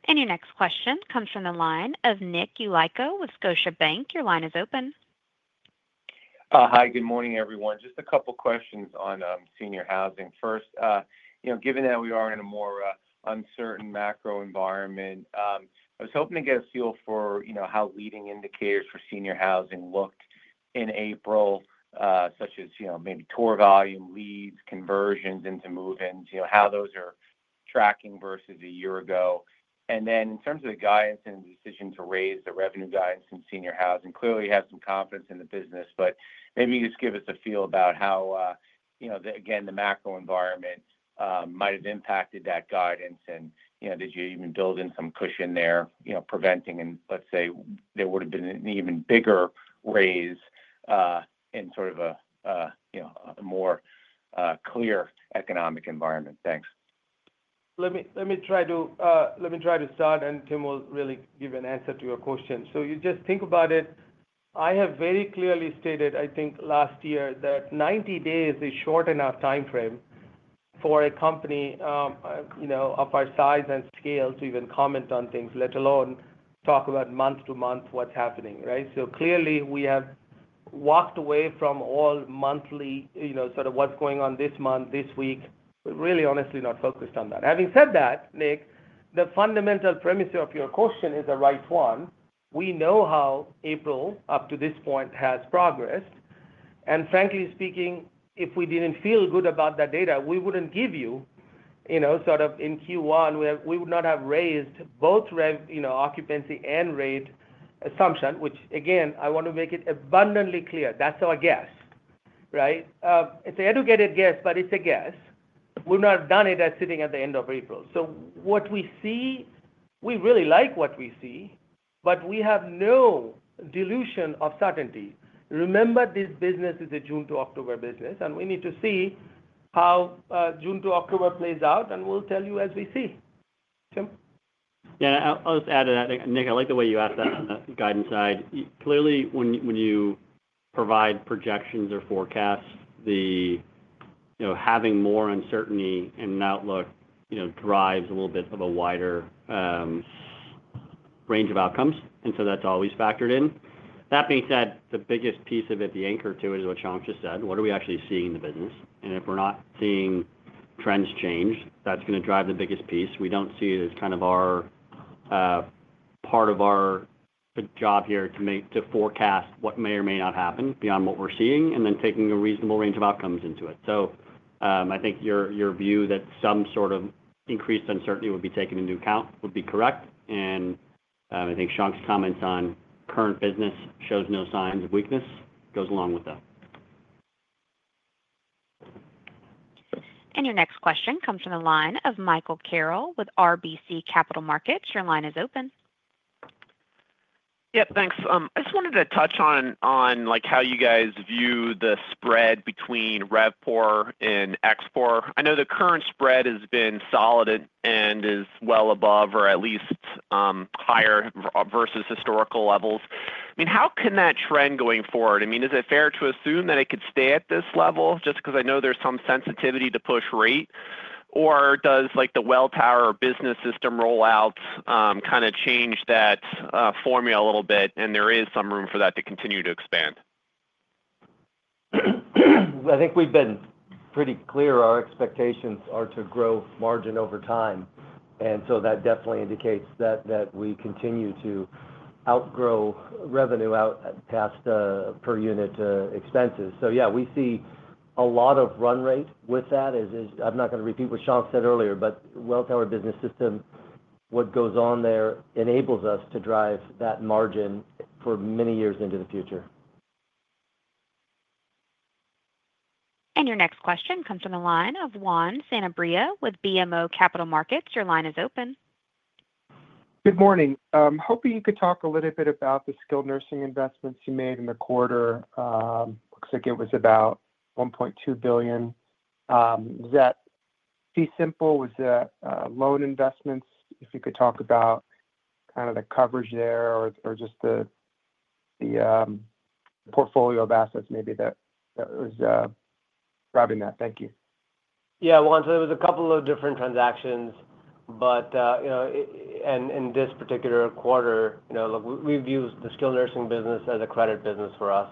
Speaker 1: Your next question comes from the line of Nick Yulico with Scotiabank. Your line is open.
Speaker 15: Hi. Good morning, everyone. Just a couple of questions on senior housing. First, given that we are in a more uncertain macro environment, I was hoping to get a feel for how leading indicators for senior housing looked in April, such as maybe tour volume, leads, conversions into move-ins, how those are tracking versus a year ago. In terms of the guidance and the decision to raise the revenue guidance in senior housing, clearly you have some confidence in the business, but maybe you just give us a feel about how, again, the macro environment might have impacted that guidance. Did you even build in some cushion there preventing, let's say, there would have been an even bigger raise in sort of a more clear economic environment? Thanks.
Speaker 3: Let me try to start, and Tim will really give an answer to your question. You just think about it. I have very clearly stated, I think last year, that 90 days is a short enough time frame for a company of our size and scale to even comment on things, let alone talk about month to month what's happening, right? Clearly, we have walked away from all monthly sort of what's going on this month, this week. We're really, honestly not focused on that. Having said that, Nick, the fundamental premise of your question is a right one. We know how April up to this point has progressed. Frankly speaking, if we didn't feel good about that data, we wouldn't give you sort of in Q1, we would not have raised both occupancy and rate assumption, which, again, I want to make it abundantly clear. That's our guess, right? It's an educated guess, but it's a guess. We would not have done it as sitting at the end of April. What we see, we really like what we see, but we have no delusion of certainty. Remember, this business is a June to October business, and we need to see how June to October plays out, and we'll tell you as we see. Tim?
Speaker 6: Yeah. I'll just add to that. Nick, I like the way you asked that on the guidance side. Clearly, when you provide projections or forecasts, having more uncertainty in an outlook drives a little bit of a wider range of outcomes. That is always factored in. That being said, the biggest piece of it, the anchor to it, is what Shankh just said. What are we actually seeing in the business? If we're not seeing trends change, that's going to drive the biggest piece. We do not see it as kind of our part of our job here to forecast what may or may not happen beyond what we're seeing and then taking a reasonable range of outcomes into it. I think your view that some sort of increased uncertainty would be taken into account would be correct. I think Shankh's comments on current business show no signs of weakness goes along with that.
Speaker 1: Your next question comes from the line of Michael Carroll with RBC Capital Markets. Your line is open.
Speaker 16: Yep. Thanks. I just wanted to touch on how you guys view the spread between RevPOR and ExpPOR. I know the current spread has been solid and is well above or at least higher versus historical levels. I mean, how can that trend going forward? I mean, is it fair to assume that it could stay at this level just because I know there's some sensitivity to push rate? Or does the Welltower Business System rollout kind of change that formula a little bit, and there is some room for that to continue to expand?
Speaker 4: I think we've been pretty clear. Our expectations are to grow margin over time. That definitely indicates that we continue to outgrow revenue out past per unit expenses. Yeah, we see a lot of run rate with that. I'm not going to repeat what Shankh said earlier, but Welltower Business System, what goes on there enables us to drive that margin for many years into the future.
Speaker 1: Your next question comes from the line of Juan Sanabria with BMO Capital Markets. Your line is open.
Speaker 17: Good morning. Hoping you could talk a little bit about the skilled nursing investments you made in the quarter. Looks like it was about $1.2 billion. Was that fee simple? Was that loan investments? If you could talk about kind of the coverage there or just the portfolio of assets maybe that was driving that. Thank you.
Speaker 5: Yeah. There was a couple of different transactions. In this particular quarter, we've used the skilled nursing business as a credit business for us.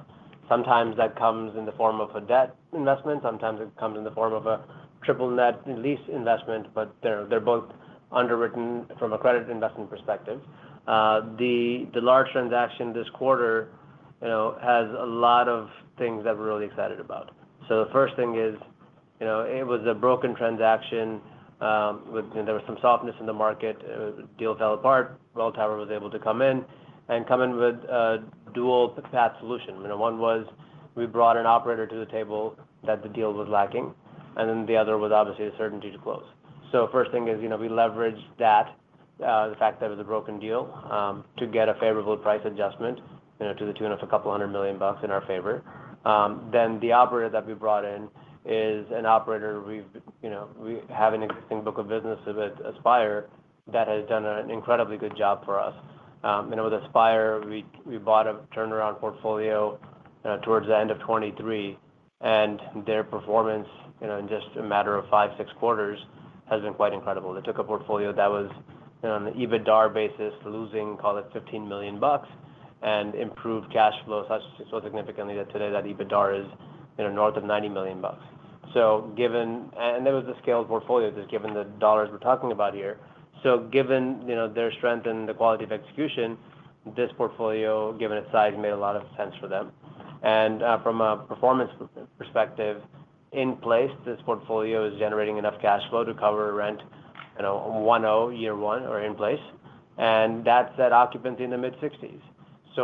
Speaker 5: Sometimes that comes in the form of a debt investment. Sometimes it comes in the form of a triple net lease investment, but they're both underwritten from a credit investment perspective. The large transaction this quarter has a lot of things that we're really excited about. The first thing is it was a broken transaction. There was some softness in the market. The deal fell apart. Welltower was able to come in and come in with a dual-path solution. One was we brought an operator to the table that the deal was lacking, and the other was obviously the certainty to close. First thing is we leveraged that, the fact that it was a broken deal, to get a favorable price adjustment to the tune of a couple hundred million bucks in our favor. The operator that we brought in is an operator. We have an existing book of business with Aspire that has done an incredibly good job for us. With Aspire, we bought a turnaround portfolio towards the end of 2023, and their performance in just a matter of five, six quarters has been quite incredible. They took a portfolio that was on the EBITDA basis losing, call it, $15 million and improved cash flow so significantly that today that EBITDA is north of $90 million. There was the scaled portfolio just given the dollars we're talking about here. Given their strength and the quality of execution, this portfolio, given its size, made a lot of sense for them. From a performance perspective, in place, this portfolio is generating enough cash flow to cover rent 1.0 year one or in place. That is at occupancy in the mid-60s.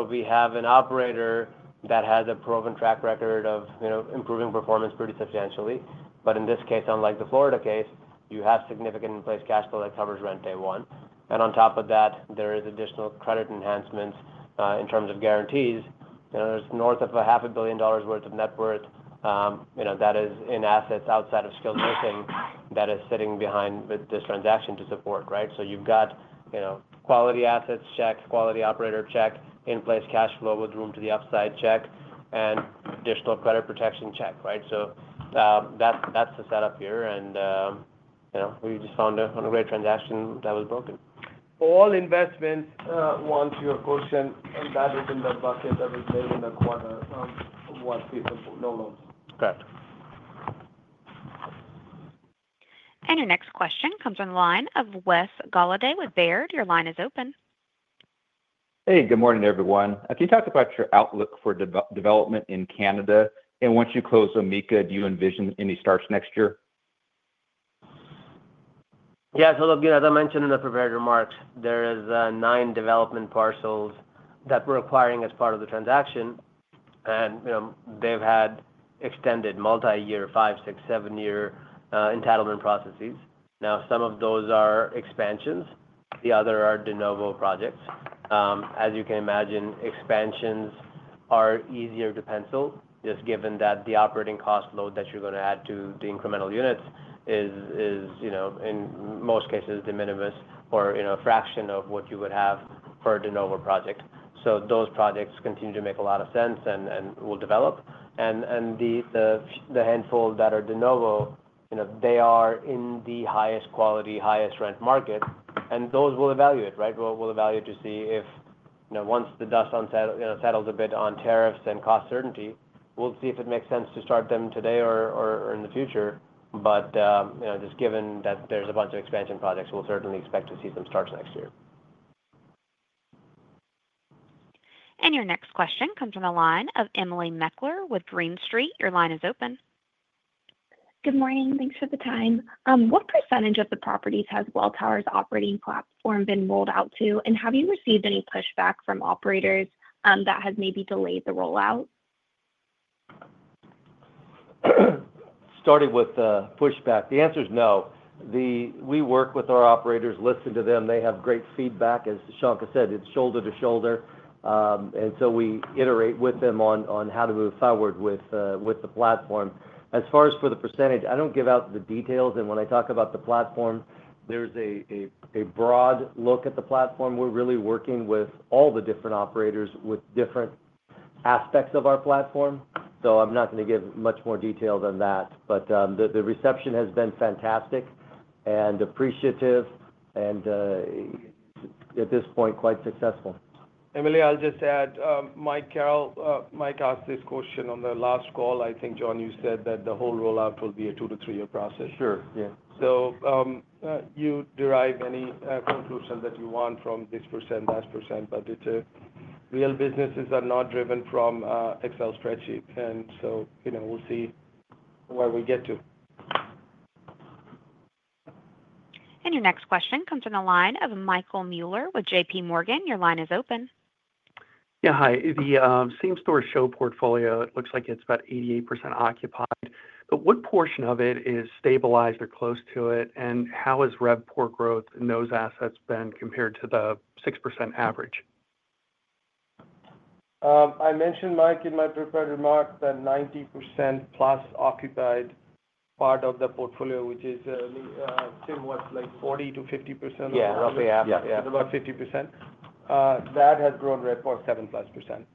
Speaker 5: We have an operator that has a proven track record of improving performance pretty substantially. In this case, unlike the Florida case, you have significant in place cash flow that covers rent day one. On top of that, there is additional credit enhancements in terms of guarantees. There is north of $500,000,000 worth of net worth that is in assets outside of skilled nursing that is sitting behind with this transaction to support, right? You have got quality assets, check, quality operator, check, in place cash flow with room to the upside, check, and additional credit protection, check, right? That is the setup here. We just found a great transaction that was broken.
Speaker 3: All investments, once your question that is in the bucket that was made in the quarter, what people no longer. Correct.
Speaker 1: Your next question comes from the line of Wes Golladay with Baird. Your line is open.
Speaker 18: Hey. Good morning, everyone. Can you talk about your outlook for development in Canada? Once you close Amica, do you envision any starts next year?
Speaker 5: Yeah. As I mentioned in the prepared remarks, there are nine development parcels that we're acquiring as part of the transaction. They have had extended multi-year, five, six, seven-year entitlement processes. Some of those are expansions. The others are de novo projects. As you can imagine, expansions are easier to pencil just given that the operating cost load that you're going to add to the incremental units is, in most cases, de minimis or a fraction of what you would have for a de novo project. Those projects continue to make a lot of sense and will develop. The handful that are de novo, they are in the highest quality, highest rent market. Those will evaluate, right? We'll evaluate to see if once the dust settles a bit on tariffs and cost certainty, we'll see if it makes sense to start them today or in the future. Just given that there's a bunch of expansion projects, we'll certainly expect to see some starts next year.
Speaker 1: Your next question comes from the line of Emily Meckler with Green Street. Your line is open.
Speaker 19: Good morning. Thanks for the time. What percentage of the properties has Welltower's operating platform been rolled out to? Have you received any pushback from operators that has maybe delayed the rollout?
Speaker 4: Starting with the pushback, the answer is no. We work with our operators, listen to them. They have great feedback. As Shankh said, it's shoulder to shoulder. We iterate with them on how to move forward with the platform. As far as for the percentage, I don't give out the details. When I talk about the platform, there's a broad look at the platform. We're really working with all the different operators with different aspects of our platform. I'm not going to give much more detail than that. The reception has been fantastic and appreciative and, at this point, quite successful.
Speaker 3: Emily, I'll just add, Mike asked this question on the last call. I think, John, you said that the whole rollout will be a two to three-year process.
Speaker 4: Sure. Yeah.
Speaker 3: You derive any conclusion that you want from this percent, that percent, but the real businesses are not driven from Excel spreadsheets. We will see where we get to.
Speaker 1: Your next question comes from the line of Michael Mueller with JPMorgan. Your line is open.
Speaker 20: Yeah. Hi. The same-store SHOP portfolio, it looks like it's about 88% occupied. What portion of it is stabilized or close to it? How has RevPOR growth in those assets been compared to the 6% average?
Speaker 3: I mentioned, Mike, in my prepared remark that 90% plus occupied part of the portfolio, which is, Tim, what, like 40-50%?
Speaker 6: Yeah. Roughly half. Yeah.
Speaker 3: About 50% that has grown RevPOR 7-plus percent.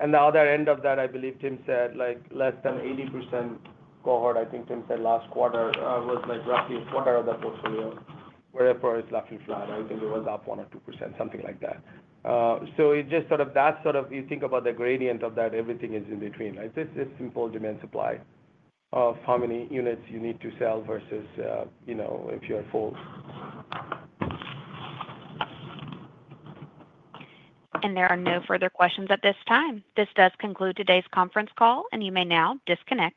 Speaker 3: And the other end of that, I believe Tim said, like less than 80% cohort, I think Tim said last quarter was like roughly a quarter of the portfolio where RevPOR is lapping flat. I think it was up 1 or 2%, something like that. It just sort of, that's sort of, you think about the gradient of that, everything is in between, right? This is simple demand supply of how many units you need to sell versus if you're full.
Speaker 1: There are no further questions at this time. This does conclude today's conference call, and you may now disconnect.